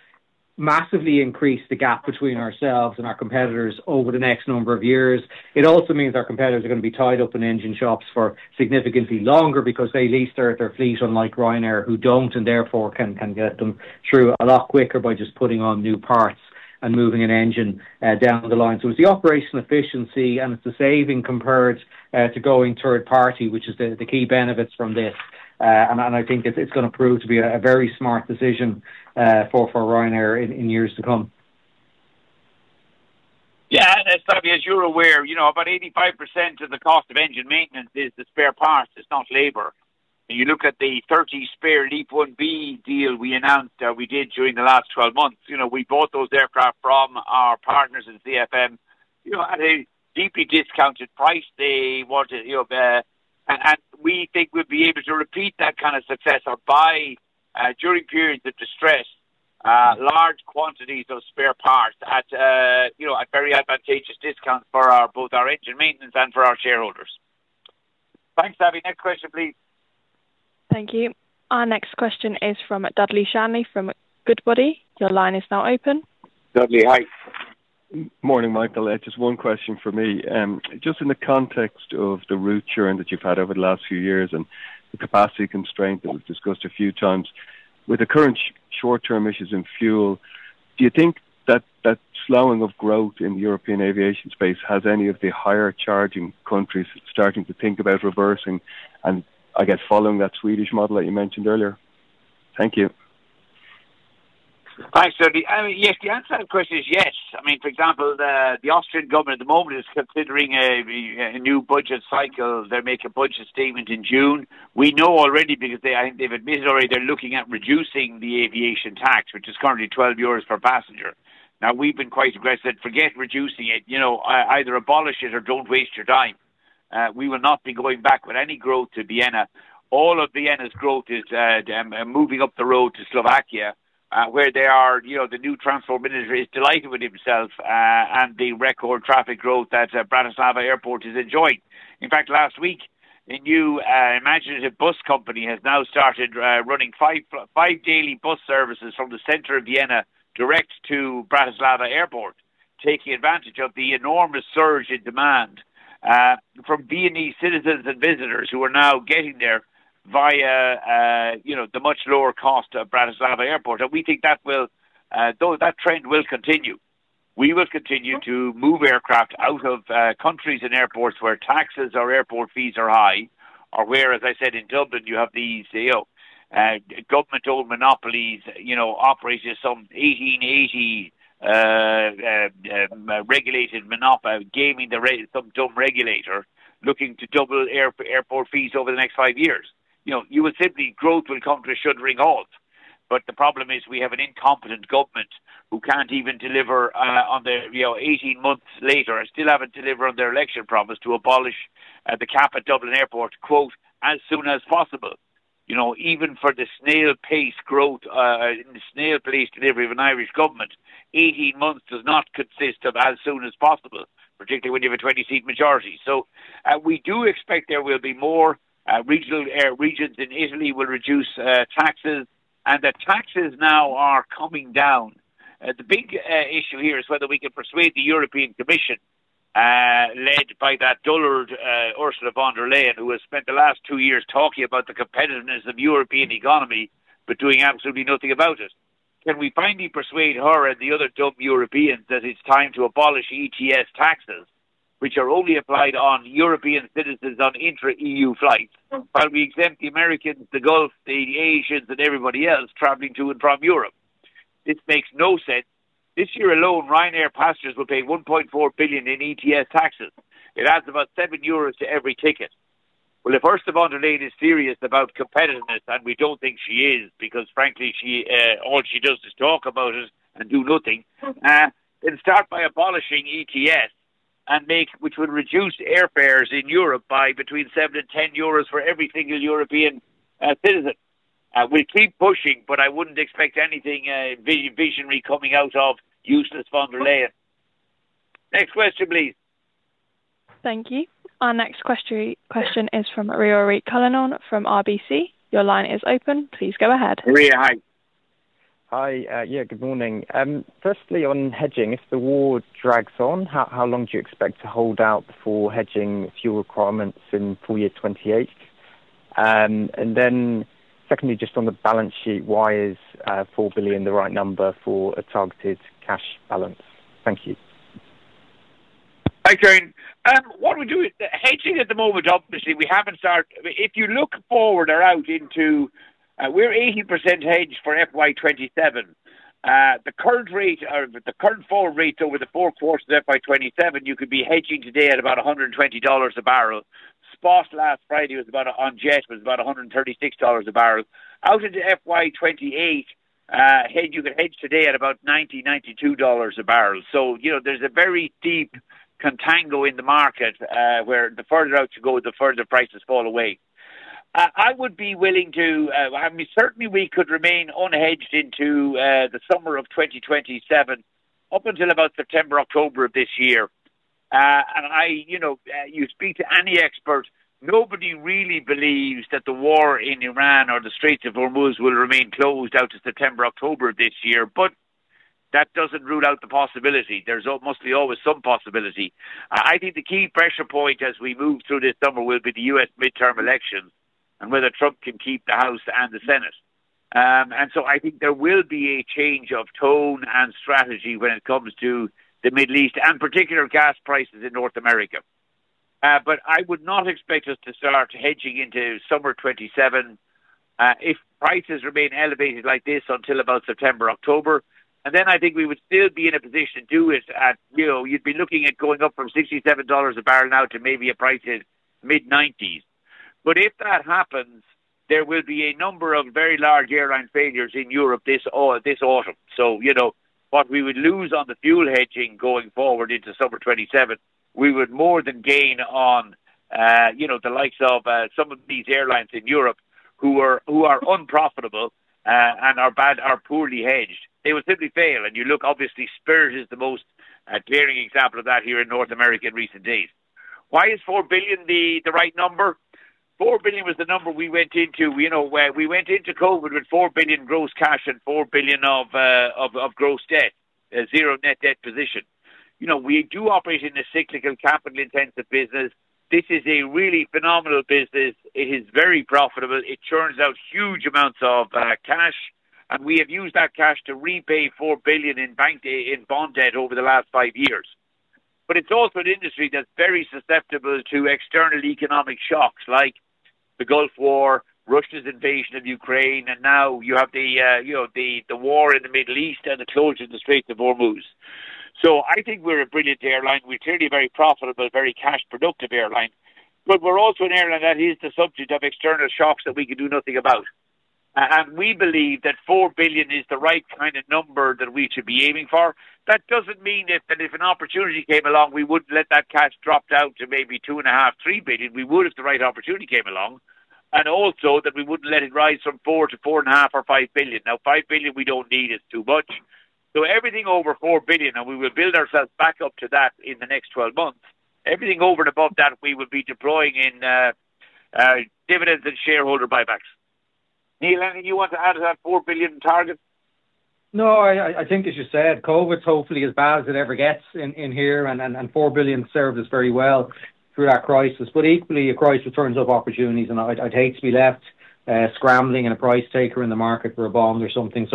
massively increase the gap between ourselves and our competitors over the next number of years. It also means our competitors are gonna be tied up in engine shops for significantly longer because they lease their fleet, unlike Ryanair, who don't and therefore can get them through a lot quicker by just putting on new parts and moving an engine down the line. It's the operational efficiency, and it's the saving compared to going third party, which is the key benefits from this. I think it's gonna prove to be a very smart decision for Ryanair in years to come. Yeah. Savi, as you're aware, you know, about 85% of the cost of engine maintenance is the spare parts. It's not labor. You look at the 30 spare LEAP-1B deal we announced, we did during the last 12 months. You know, we bought those aircraft from our partners in CFM, you know, at a deeply discounted price. We think we'll be able to repeat that kind of success or buy, during periods of distress, large quantities of spare parts at, you know, at very advantageous discounts for our, both our engine maintenance and for our shareholders. Thanks, Savi. Next question, please. Thank you. Our next question is from Dudley Shanley from Goodbody. Dudley, hi. Morning, Michael. Just one question from me. Just in the context of the route churn that you've had over the last few years and the capacity constraint that we've discussed a few times, with the current short-term issues in fuel, do you think that that slowing of growth in European aviation space has any of the higher-charging countries starting to think about reversing and, I guess, following that Swedish model that you mentioned earlier? Thank you. Thanks, Dudley. Yes, the answer to that question is yes. For example, the Austrian government at the moment is considering a new budget cycle. They make a budget statement in June. We know already because they've admitted already they're looking at reducing the aviation tax, which is currently 12 euros per passenger. We've been quite aggressive, forget reducing it. You know, either abolish it or don't waste your time. We will not be going back with any growth to Vienna. All of Vienna's growth is moving up the road to Slovakia, where they are, you know, the new transport minister is delighted with himself, and the record traffic growth that Bratislava Airport is enjoying. In fact, last week, a new, imaginative bus company has now started running 5 daily bus services from the center of Vienna direct to Bratislava Airport, taking advantage of the enormous surge in demand from Viennese citizens and visitors who are now getting there via, you know, the much lower cost of Bratislava Airport. We think that will, though, that trend will continue. We will continue to move aircraft out of countries and airports where taxes or airport fees are high or where, as I said, in Dublin, you have the, you know, government-owned monopolies, you know, operating some 1,880, gaming some dumb regulator looking to double airport fees over the next five years. You know, you would simply growth will come to a shuddering halt. The problem is we have an incompetent government who can't even deliver on their, you know, 18 months later, still haven't delivered on their election promise to abolish the cap at Dublin Airport, quote, as soon as possible. You know, even for the snail pace growth and the snail pace delivery of an Irish government, 18 months does not consist of as soon as possible, particularly when you have a 20-seat majority. We do expect there will be more regions in Italy will reduce taxes and that taxes now are coming down. The big issue here is whether we can persuade the European Commission, led by that dullard, Ursula von der Leyen, who has spent the last two years talking about the competitiveness of European economy, but doing absolutely nothing about it. Can we finally persuade her and the other dumb Europeans that it's time to abolish ETS taxes, which are only applied on European citizens on intra-EU flights. while we exempt the Americans, the Gulf, the Asians, and everybody else traveling to and from Europe? This makes no sense. This year alone, Ryanair passengers will pay 1.4 billion in ETS taxes. It adds about 7 euros to every ticket. If Ursula von der Leyen is serious about competitiveness, and we don't think she is because frankly she all she does is talk about it and do nothing. Start by abolishing ETS which would reduce airfares in Europe by between 7 and 10 euros for every single European citizen. We'll keep pushing, I wouldn't expect anything visionary coming out of useless von der Leyen. Next question, please. Thank you. Our next question is from Ruairi Cullinane from RBC. Your line is open. Please go ahead. Ruairi, hi. Hi. Yeah, good morning. Firstly on hedging, if the war drags on, how long do you expect to hold out before hedging fuel requirements in FY 2028? Secondly, just on the balance sheet, why is 4 billion the right number for a targeted cash balance? Thank you. Thanks, Ruairi. What we do is hedging at the moment, obviously we haven't started. If you look forward or out into, we're 80% hedged for FY 2027. The current rate or the current forward rates over the four quarters of FY 2027, you could be hedging today at about $120 a barrel. Spot last Friday was about, on jet, was about $136 a barrel. Out into FY 2028, hedge, you could hedge today at about $90-$92 a barrel. You know, there's a very deep contango in the market, where the further out you go, the further prices fall away. I would be willing to, I mean, certainly we could remain unhedged into the summer of 2027 up until about September, October of this year. You speak to any expert, nobody really believes that the war in Iran or the Strait of Hormuz will remain closed out to September, October this year. That doesn't rule out the possibility. There's mostly always some possibility. I think the key pressure point as we move through this summer will be the U.S. midterm elections and whether Trump can keep the House and the Senate. I think there will be a change of tone and strategy when it comes to the Middle East and particular gas prices in North America. I would not expect us to sell our hedging into summer 2027 if prices remain elevated like this until about September, October. I think we would still be in a position to do it at, you know, you'd be looking at going up from $67 a barrel now to maybe a price in mid-90s. If that happens, there will be a number of very large airline failures in Europe this autumn. You know, what we would lose on the fuel hedging going forward into summer 2027, we would more than gain on, you know, the likes of some of these airlines in Europe who are, who are unprofitable, and are bad, are poorly hedged. They will simply fail. You look, obviously Spirit is the most glaring example of that here in North America in recent days. Why is $4 billion the right number? 4 billion was the number we went into, you know, where we went into COVID with 4 billion gross cash and 4 billion of gross debt, a zero net debt position. You know, we do operate in a cyclical capital-intensive business. This is a really phenomenal business. It is very profitable. It churns out huge amounts of cash, and we have used that cash to repay 4 billion in bond debt over the last five years. It's also an industry that's very susceptible to external economic shocks like the Gulf War, Russia's invasion of Ukraine, and now you have the, you know, the war in the Middle East and the closure of the Strait of Hormuz. I think we're a brilliant airline. We're clearly a very profitable, very cash productive airline. We're also an airline that is the subject of external shocks that we can do nothing about. We believe that 4 billion is the right kind of number that we should be aiming for. That doesn't mean that if an opportunity came along, we wouldn't let that cash drop down to maybe 2.5 billion, 3 billion. We would if the right opportunity came along. Also, that we wouldn't let it rise from 4 billion to 4.5 billion or 5 billion. 5 billion, we don't need. It's too much. Everything over 4 billion, and we will build ourselves back up to that in the next 12 months, everything over and above that we will be deploying in dividends and shareholder buybacks. Neil, anything you want to add to that 4 billion target? No, I think as you said, COVID is hopefully as bad as it ever gets in here and 4 billion served us very well through that crisis. Equally, a crisis turns up opportunities and I'd hate to be left scrambling and a price taker in the market for a bond or something.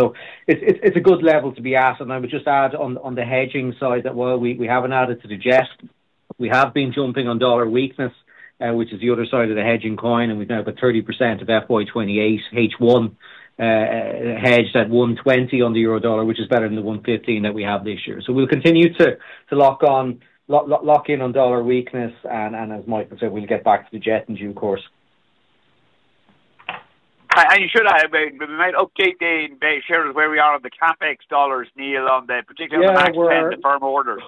It's a good level to be at. I would just add on the hedging side that while we haven't added to the jet, we have been jumping on dollar weakness, which is the other side of the hedging coin, and we've now got 30% of FY 2028 H1 hedged at 1.20 on the euro dollar, which is better than the 1.15 that we have this year. We'll continue to lock on, lock in on dollar weakness and as Michael said, we'll get back to the jet in due course. You should have, I mean, we might update the shareholders where we are on the CapEx dollars, Neil. Yeah on the MAX 10, the firm orders.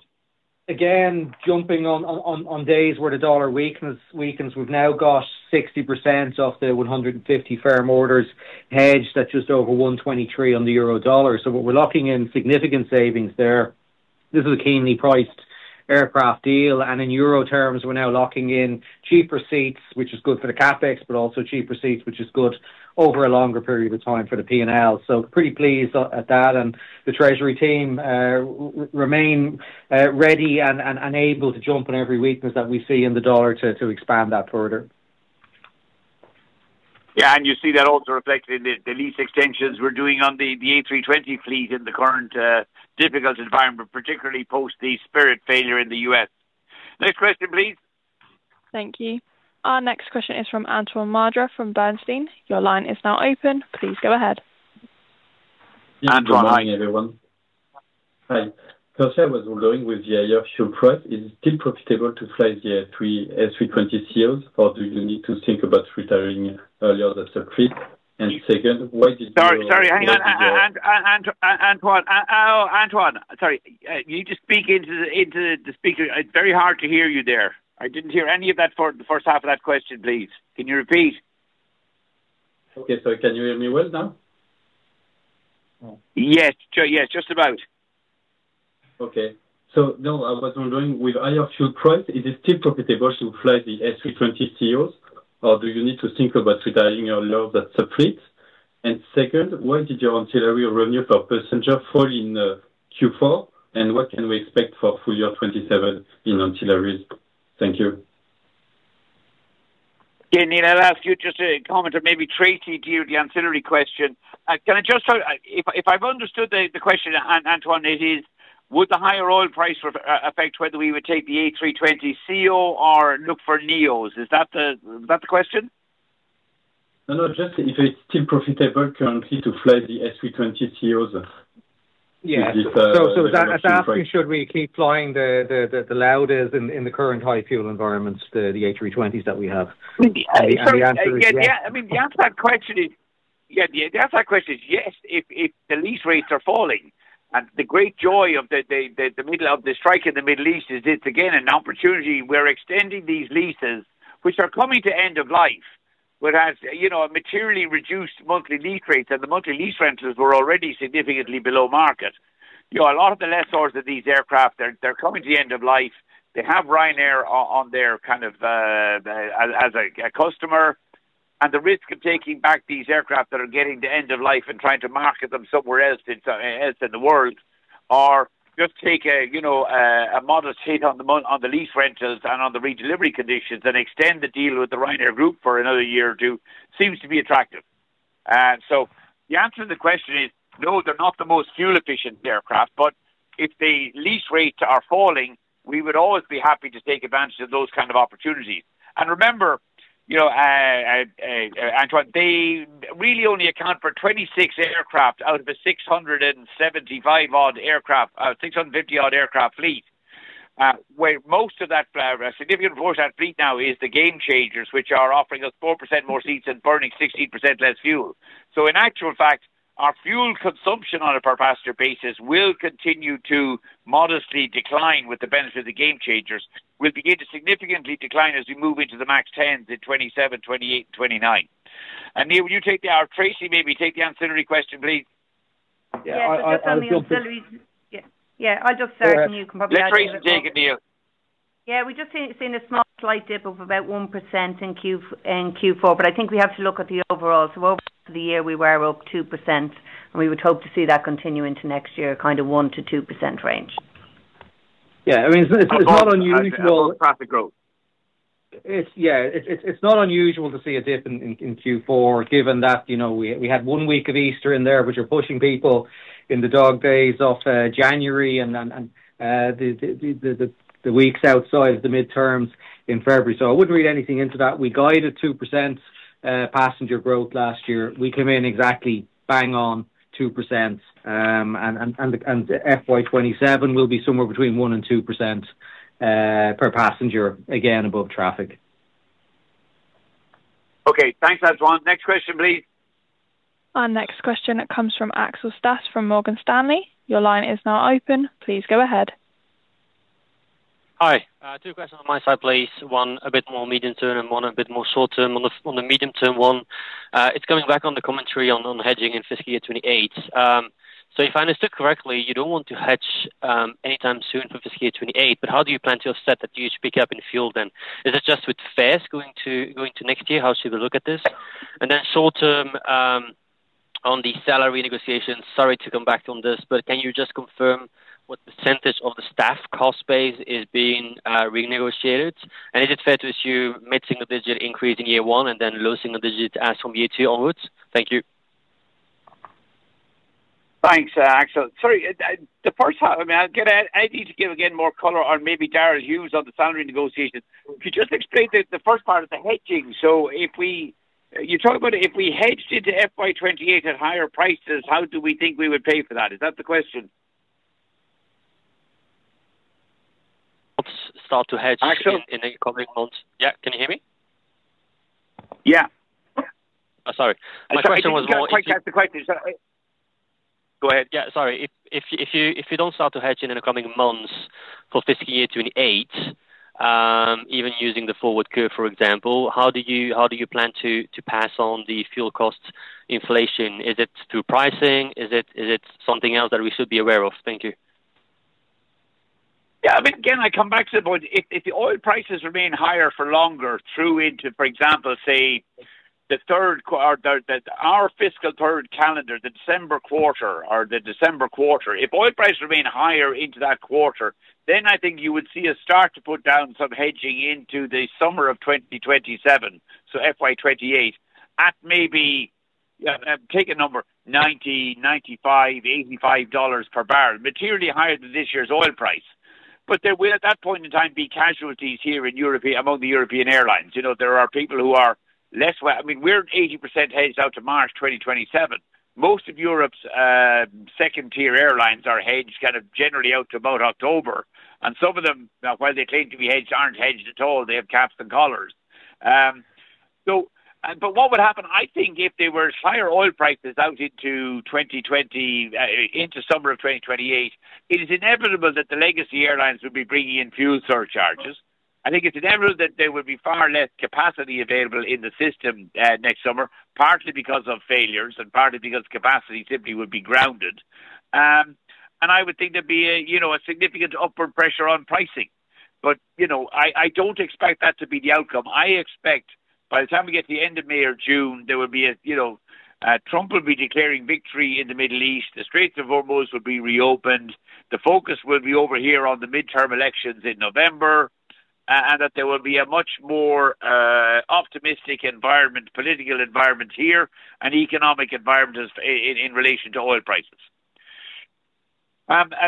Again, jumping on days where the dollar weakens. We've now got 60% of the 150 firm orders hedged at just over 1.23 on the euro dollar. We're locking in significant savings there. This is a keenly priced aircraft deal, and in euro terms, we're now locking in cheaper seats, which is good for the CapEx, but also cheaper seats, which is good over a longer period of time for the P&L. Pretty pleased at that. The treasury team remain ready and able to jump on every weakness that we see in the dollar to expand that further. Yeah. You see that also reflected in the lease extensions we're doing on the A320 fleet in the current difficult environment, particularly post the Spirit failure in the U.S. Next question, please. Thank you. Our next question is from Antoine Madre from Bernstein. Your line is now open. Please go ahead. Antoine, hi. Good morning, everyone. Hi. First, I was wondering with the higher fuel price, is it still profitable to fly the A320ceos, or do you need to think about retiring earlier the fleet? Second, why did your- Sorry. Hang on. Antoine. Sorry. You need to speak into the speaker. It's very hard to hear you there. I didn't hear any of that for the first half of that question, please. Can you repeat? Okay. Sorry, can you hear me well now? Yes. Yeah, just about. Okay. Now I was wondering, with higher fuel price, is it still profitable to fly the A320ceos, or do you need to think about retiring earlier the fleet? Second, why did your ancillary revenue per passenger fall in Q4, and what can we expect for full-year FY27 in ancillaries? Thank you. Yeah, Neil, I'll ask you just to comment or maybe Tracey to you the ancillary question. If I've understood the question, Antoine, it is would the higher oil price affect whether we would take the A320ceo or look for A320neos? Is that the question? No, no. Just if it's still profitable currently to fly the A320ceos- Yeah. With the higher fuel price. Is he asking should we keep flying the Laudas in the current high fuel environments, the A320s that we have? Yeah The answer is yes. I mean, the answer to that question is yes, if the lease rates are falling. The great joy of the middle of the strike in the Middle East is it's again an opportunity. We're extending these leases, which are coming to end of life. Whereas, you know, a materially reduced monthly lease rates and the monthly lease rentals were already significantly below market. You know, a lot of the lessors of these aircraft, they're coming to the end of life. They have Ryanair on their kind of as a customer. The risk of taking back these aircraft that are getting to end of life and trying to market them somewhere else in the world or just take a, you know, a modest hit on the lease rentals and on the redelivery conditions and extend the deal with the Ryanair Group for another one or two years seems to be attractive. The answer to the question is no, they're not the most fuel efficient aircraft, but if the lease rates are falling, we would always be happy to take advantage of those kind of opportunities. Remember, you know, Antoine, they really only account for 26 aircraft out of a 675 odd aircraft, 650 odd aircraft fleet. Where most of that, significant portion of that fleet now is the Gamechanger, which are offering us 4% more seats and burning 16% less fuel. In actual fact, our fuel consumption on a per passenger basis will continue to modestly decline with the benefit of the Gamechanger, will begin to significantly decline as we move into the MAX 10s in 2027, 2028 and 2029. Neil, will you take the Or Tracey, maybe take the ancillary question, please. Yeah. I'll jump in. Yes. Just on the ancillaries. Yeah. Go ahead. You can probably add a little more. Yeah, Tracey, take it and you. Yeah. We've just seen a small slight dip of about 1% in Q4, I think we have to look at the overall. Over the year we were up 2%. We would hope to see that continue into next year, kind of 1%-2% range. Yeah. I mean, it's not unusual. Above traffic growth. It's not unusual to see a dip in Q4 given that, you know, we had one week of Easter in there, which are pushing people in the dog days of January and then the weeks outside the midterms in February. I wouldn't read anything into that. We guided 2% passenger growth last year. We came in exactly bang on 2%. FY 2027 will be somewhere between 1%-2% per passenger, again, above traffic. Okay. Thanks, Antoine. Next question, please. Our next question comes from Axel Staas from Morgan Stanley. Your line is now open. Please go ahead. Hi. Two questions on my side, please. One a bit more medium-term and one a bit more short-term. On the medium-term one, it's coming back on the commentary on hedging in fiscal year 2028. If I understood correctly, you don't want to hedge anytime soon for fiscal year 2028, but how do you plan to offset that huge pickup in fuel then? Is it just with fares going to next year? How should we look at this? Then short-term, on the salary negotiations, sorry to come back on this, but can you just confirm what percentage of the staff cost base is being renegotiated? Is it fair to assume mid-single digit increase in year one and then low single digit as from year two onwards? Thank you. Thanks, Axel. Sorry, the first half, I mean, I need to give again more color on maybe Darrell Hughes on the salary negotiations. Could you just explain the first part of the hedging? You're talking about if we hedged into FY 2028 at higher prices, how do we think we would pay for that? Is that the question? Start to hedge. Axel? In the coming months. Yeah, can you hear me? Yeah. Sorry. My question was. I think you can take that as the question. Is that right? Go ahead. Yeah, sorry. If you don't start to hedge in the coming months for FY 2028, even using the forward curve, for example, how do you plan to pass on the fuel cost inflation? Is it through pricing? Is it something else that we should be aware of? Thank you. I mean, again, I come back to the point, if the oil prices remain higher for longer through into, for example, say, our fiscal third calendar, the December quarter or the December quarter, if oil prices remain higher into that quarter, then I think you would see us start to put down some hedging into the summer of 2027, so FY 2028, at maybe, take a number, $90, $95, $85 per barrel. Materially higher than this year's oil price. There will, at that point in time, be casualties here in Europe among the European airlines. You know, there are people who are less well I mean, we're 80% hedged out to March 2027. Most of Europe's second-tier airlines are hedged kind of generally out to about October. Some of them, while they claim to be hedged, aren't hedged at all. They have caps and collars. What would happen, I think if there were higher oil prices out into summer of 2028, it is inevitable that the legacy airlines would be bringing in fuel surcharges. I think it's inevitable that there would be far less capacity available in the system, next summer, partly because of failures and partly because capacity simply would be grounded. I would think there'd be a, you know, a significant upward pressure on pricing. I don't expect that to be the outcome. I expect by the time we get to the end of May or June, there will be a, you know, Trump will be declaring victory in the Middle East, the Strait of Hormuz will be reopened, the focus will be over here on the midterm elections in November, and that there will be a much more optimistic environment, political environment here and economic environment as, in relation to oil prices.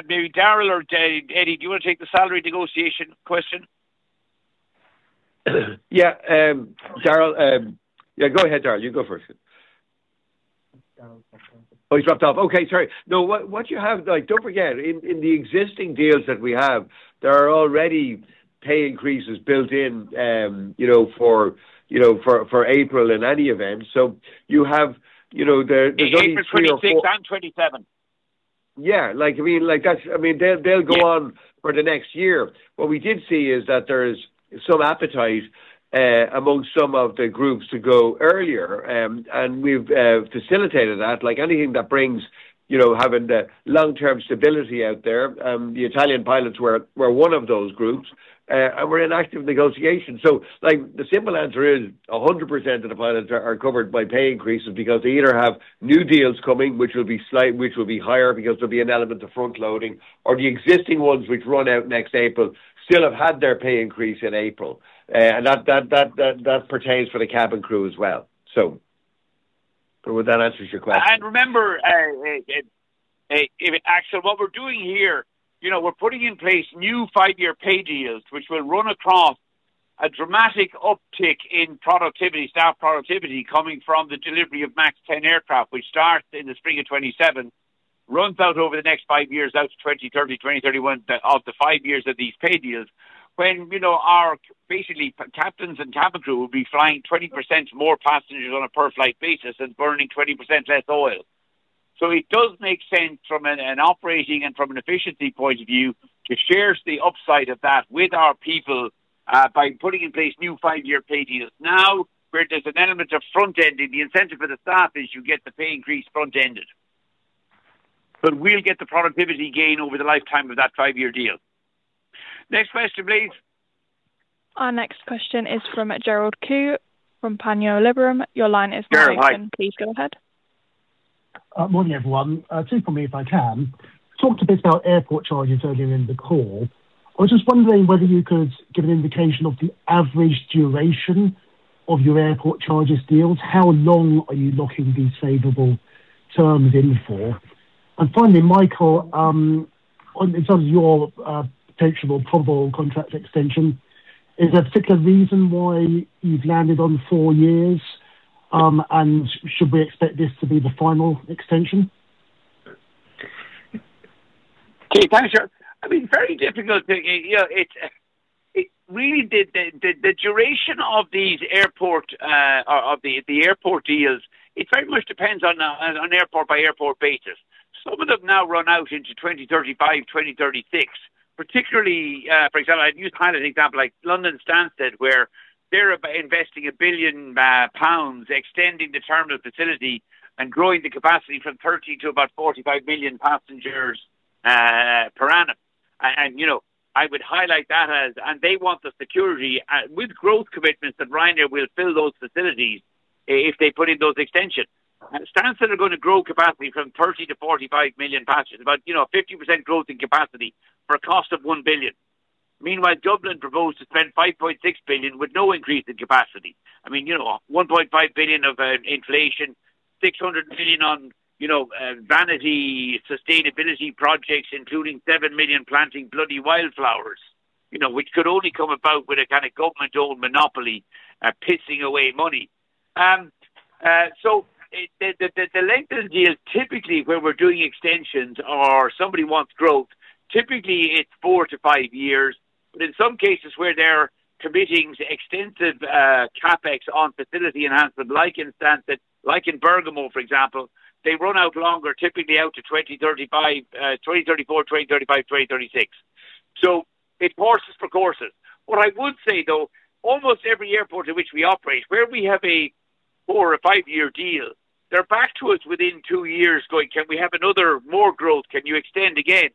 Maybe Darrell or Eddie, do you want to take the salary negotiation question? Darrell, go ahead, Darrell. You go first. Darrell O'Brien's dropped off. Oh, he's dropped off. Okay. Sorry. What you have, like, don't forget, in the existing deals that we have, there are already pay increases built in, you know, for April in any event. You have, you know, there's only three or four. In April 2026 and 2027. Yeah. They'll go on for the next year. What we did see is that there's some appetite amongst some of the groups to go earlier. We've facilitated that. Like anything that brings having the long-term stability out there, the Italian pilots were one of those groups. We're in active negotiation. The simple answer is 100% of the pilots are covered by pay increases because they either have new deals coming, which will be higher because there'll be an element of front-loading, or the existing ones which run out next April still have had their pay increase in April. That pertains for the cabin crew as well. Would that answers your question? Actually what we're doing here, you know, we're putting in place new five-year pay deals, which will run across a dramatic uptick in productivity, staff productivity coming from the delivery of MAX 10 aircraft, which starts in the spring of 2027, runs out over the next five years, out to 2030, 2031, of the five years of these pay deals. When, you know, our basically captains and cabin crew will be flying 20% more passengers on a per-flight basis and burning 20% less oil. It does make sense from an operating and from an efficiency point of view to share the upside of that with our people by putting in place new five-year pay deals. Now, where there's an element of front-ending, the incentive for the staff is you get the pay increase front-ended. We'll get the productivity gain over the lifetime of that five-year deal. Next question, please. Our next question is from Gerald Khoo from Panmure Liberum. Your line is now open. Gerald, hi. Please go ahead. Morning, everyone. Two from me, if I can. Talked a bit about airport charges earlier in the call. I was just wondering whether you could give an indication of the average duration of your airport charges deals. How long are you locking these favorable terms in for? Finally, Michael, in terms of your potential probable contract extension, is there a particular reason why you've landed on four years, and should we expect this to be the final extension? Okay, thanks, Gerald. I mean, very difficult to You know, it really the duration of these airport, or of the airport deals, it very much depends on an airport-by-airport basis. Some of them now run out into 2035, 2036. Particularly, for example, I'd use kind of an example like London Stansted, where they're investing 1 billion pounds extending the terminal facility and growing the capacity from 30 to about 45 million passengers per annum. You know, I would highlight that as They want the security with growth commitments that Ryanair will fill those facilities if they put in those extensions. Stansted are going to grow capacity from 30- 45 million passengers about, you know, 50% growth in capacity for a cost of GBP 1 billion. Meanwhile, Dublin proposed to spend EUR 5.6 billion with no increase in capacity. I mean, you know, 1.5 billion of inflation, 600 million on, you know, vanity sustainability projects, including 7 million planting bloody wildflowers. You know, which could only come about with a kind of government-owned monopoly, pissing away money. The length of the deal typically when we're doing extensions or somebody wants growth, typically it's four-five years. In some cases where they're committing to extensive CapEx on facility enhancement, like in Stansted, like in Bergamo, for example, they run out longer, typically out to 2035, 2034, 2035, 2036. It's horses for courses. What I would say, almost every airport in which we operate, where we have a four or five year deal, they're back to us within two years going, "Can we have another more growth? Can you extend again?"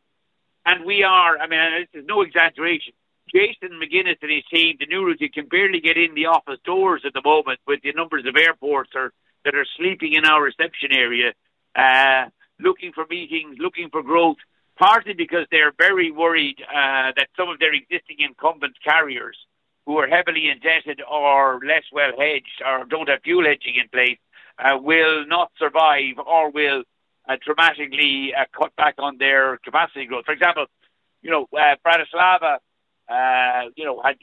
We are, I mean, this is no exaggeration, Jason McGuinness and his team, the new team can barely get in the office doors at the moment with the numbers of airports that are sleeping in our reception area, looking for meetings, looking for growth, partly because they're very worried that some of their existing incumbent carriers who are heavily indebted or less well hedged or don't have fuel hedging in place will not survive or will dramatically cut back on their capacity growth. For example, you know, Bratislava, you know, had,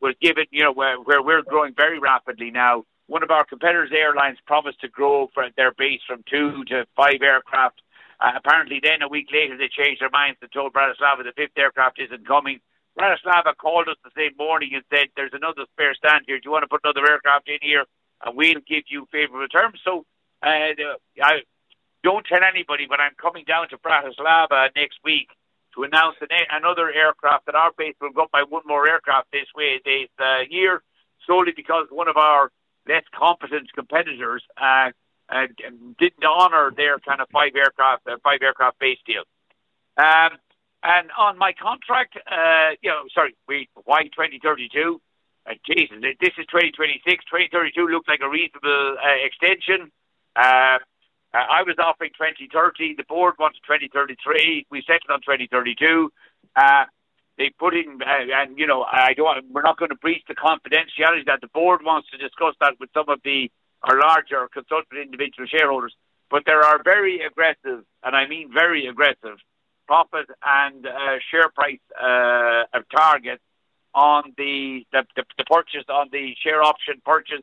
was given, you know, where we're growing very rapidly now, one of our competitors airlines promised to grow from their base from two- five aircraft. Apparently then a week later, they changed their minds and told Bratislava the fifth aircraft isn't coming. Bratislava called us the same morning and said, "There's another spare stand here. Do you wanna put another aircraft in here? We'll give you favorable terms." Don't tell anybody, but I'm coming down to Bratislava next week to announce another aircraft at our base. We'll grow by one more aircraft this way, this year, solely because one of our less competent competitors didn't honor their kind of five aircraft, five aircraft base deal. On my contract, why 2032? This is 2026. 2032 looks like a reasonable extension. I was offering 2030. The board wants 2033. We settled on 2032. They put in, and we're not gonna breach the confidentiality that the board wants to discuss that with some of our larger institutional shareholders. There are very aggressive, and I mean very aggressive, profit and share price targets on the purchase, on the share option purchase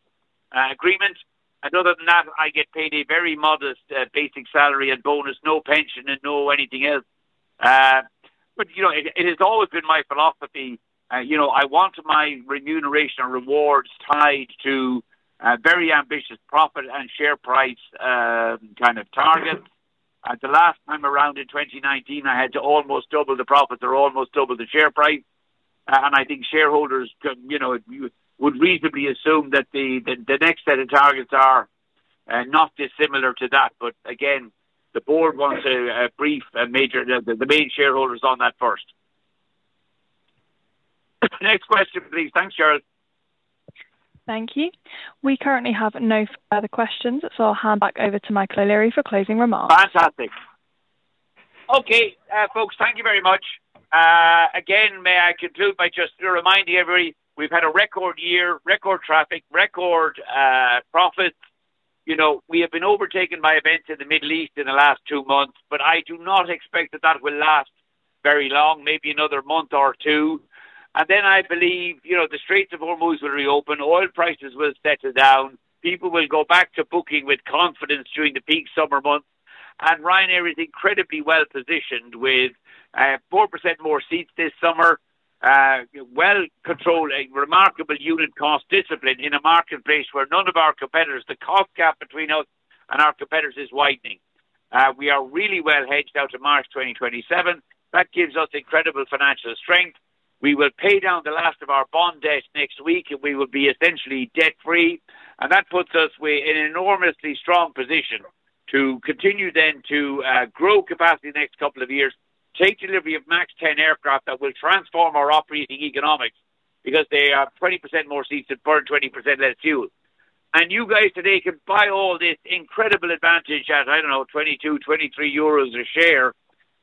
agreement. Other than that, I get paid a very modest basic salary and bonus, no pension and no anything else. you know, it has always been my philosophy, you know, I want my remuneration and rewards tied to a very ambitious profit and share price kind of target. At the last time around in 2019, I had to almost double the profits or almost double the share price. And I think shareholders can, you know, you would reasonably assume that the next set of targets are not dissimilar to that. Again, the board wants to brief the main shareholders on that first. Next question, please. Thanks, Charlotte. Thank you. We currently have no other questions, I'll hand back over to Michael O'Leary for closing remarks. Fantastic. Okay. Folks, thank you very much. Again, may I conclude by just reminding everybody, we've had a record year, record traffic, record profits. You know, we have been overtaken by events in the Middle East in the last two months, but I do not expect that that will last very long, maybe another month or two. Then I believe, you know, the Strait of Hormuz will reopen, oil prices will settle down. People will go back to booking with confidence during the peak summer months. Ryanair is incredibly well-positioned with 4% more seats this summer, well controlling remarkable unit cost discipline in a marketplace where none of our competitors, the cost gap between us and our competitors is widening. We are really well hedged out to March 2027. That gives us incredible financial strength. We will pay down the last of our bond debt next week, and we will be essentially debt-free. That puts us in enormously strong position to continue then to grow capacity the next couple of years, take delivery of MAX 10 aircraft that will transform our operating economics because they have 20% more seats that burn 20% less fuel. You guys today can buy all this incredible advantage at, I don't know, 22-23 euros a share.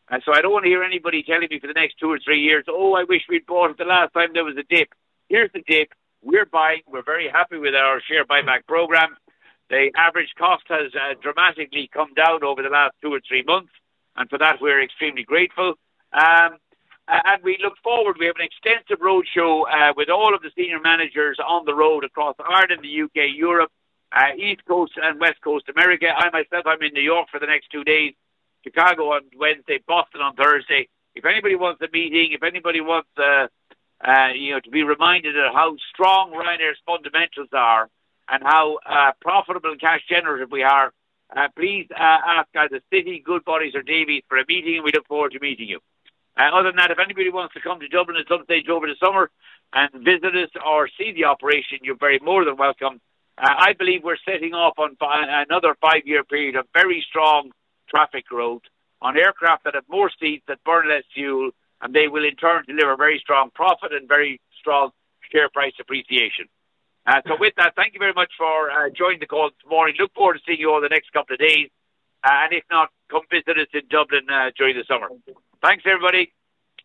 I don't wanna hear anybody telling me for the next two or three years, "Oh, I wish we'd bought it the last time there was a dip." Here's the dip. We're buying. We're very happy with our share buyback program. The average cost has dramatically come down over the last two or three months, and for that, we're extremely grateful. We look forward. We have an extensive roadshow with all of the senior managers on the road across Ireland, the U.K., Europe, East Coast and West Coast America. I myself, I'm in New York for the next two days, Chicago on Wednesday, Boston on Thursday. If anybody wants a meeting, if anybody wants, you know, to be reminded of how strong Ryanair's fundamentals are and how profitable and cash generative we are, please ask either Citi, Goodbody or Davy for a meeting. We look forward to meeting you. Other than that, if anybody wants to come to Dublin at some stage over the summer and visit us or see the operation, you're very more than welcome. I believe we're setting off on another five-year period of very strong traffic growth on aircraft that have more seats, that burn less fuel, and they will in turn deliver very strong profit and very strong share price appreciation. With that, thank you very much for joining the call this morning. Look forward to seeing you all the next couple of days. If not, come visit us in Dublin during the summer. Thanks, everybody.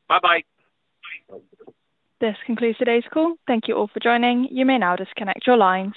Bye-bye. This concludes today's call. Thank you all for joining. You may now disconnect your lines.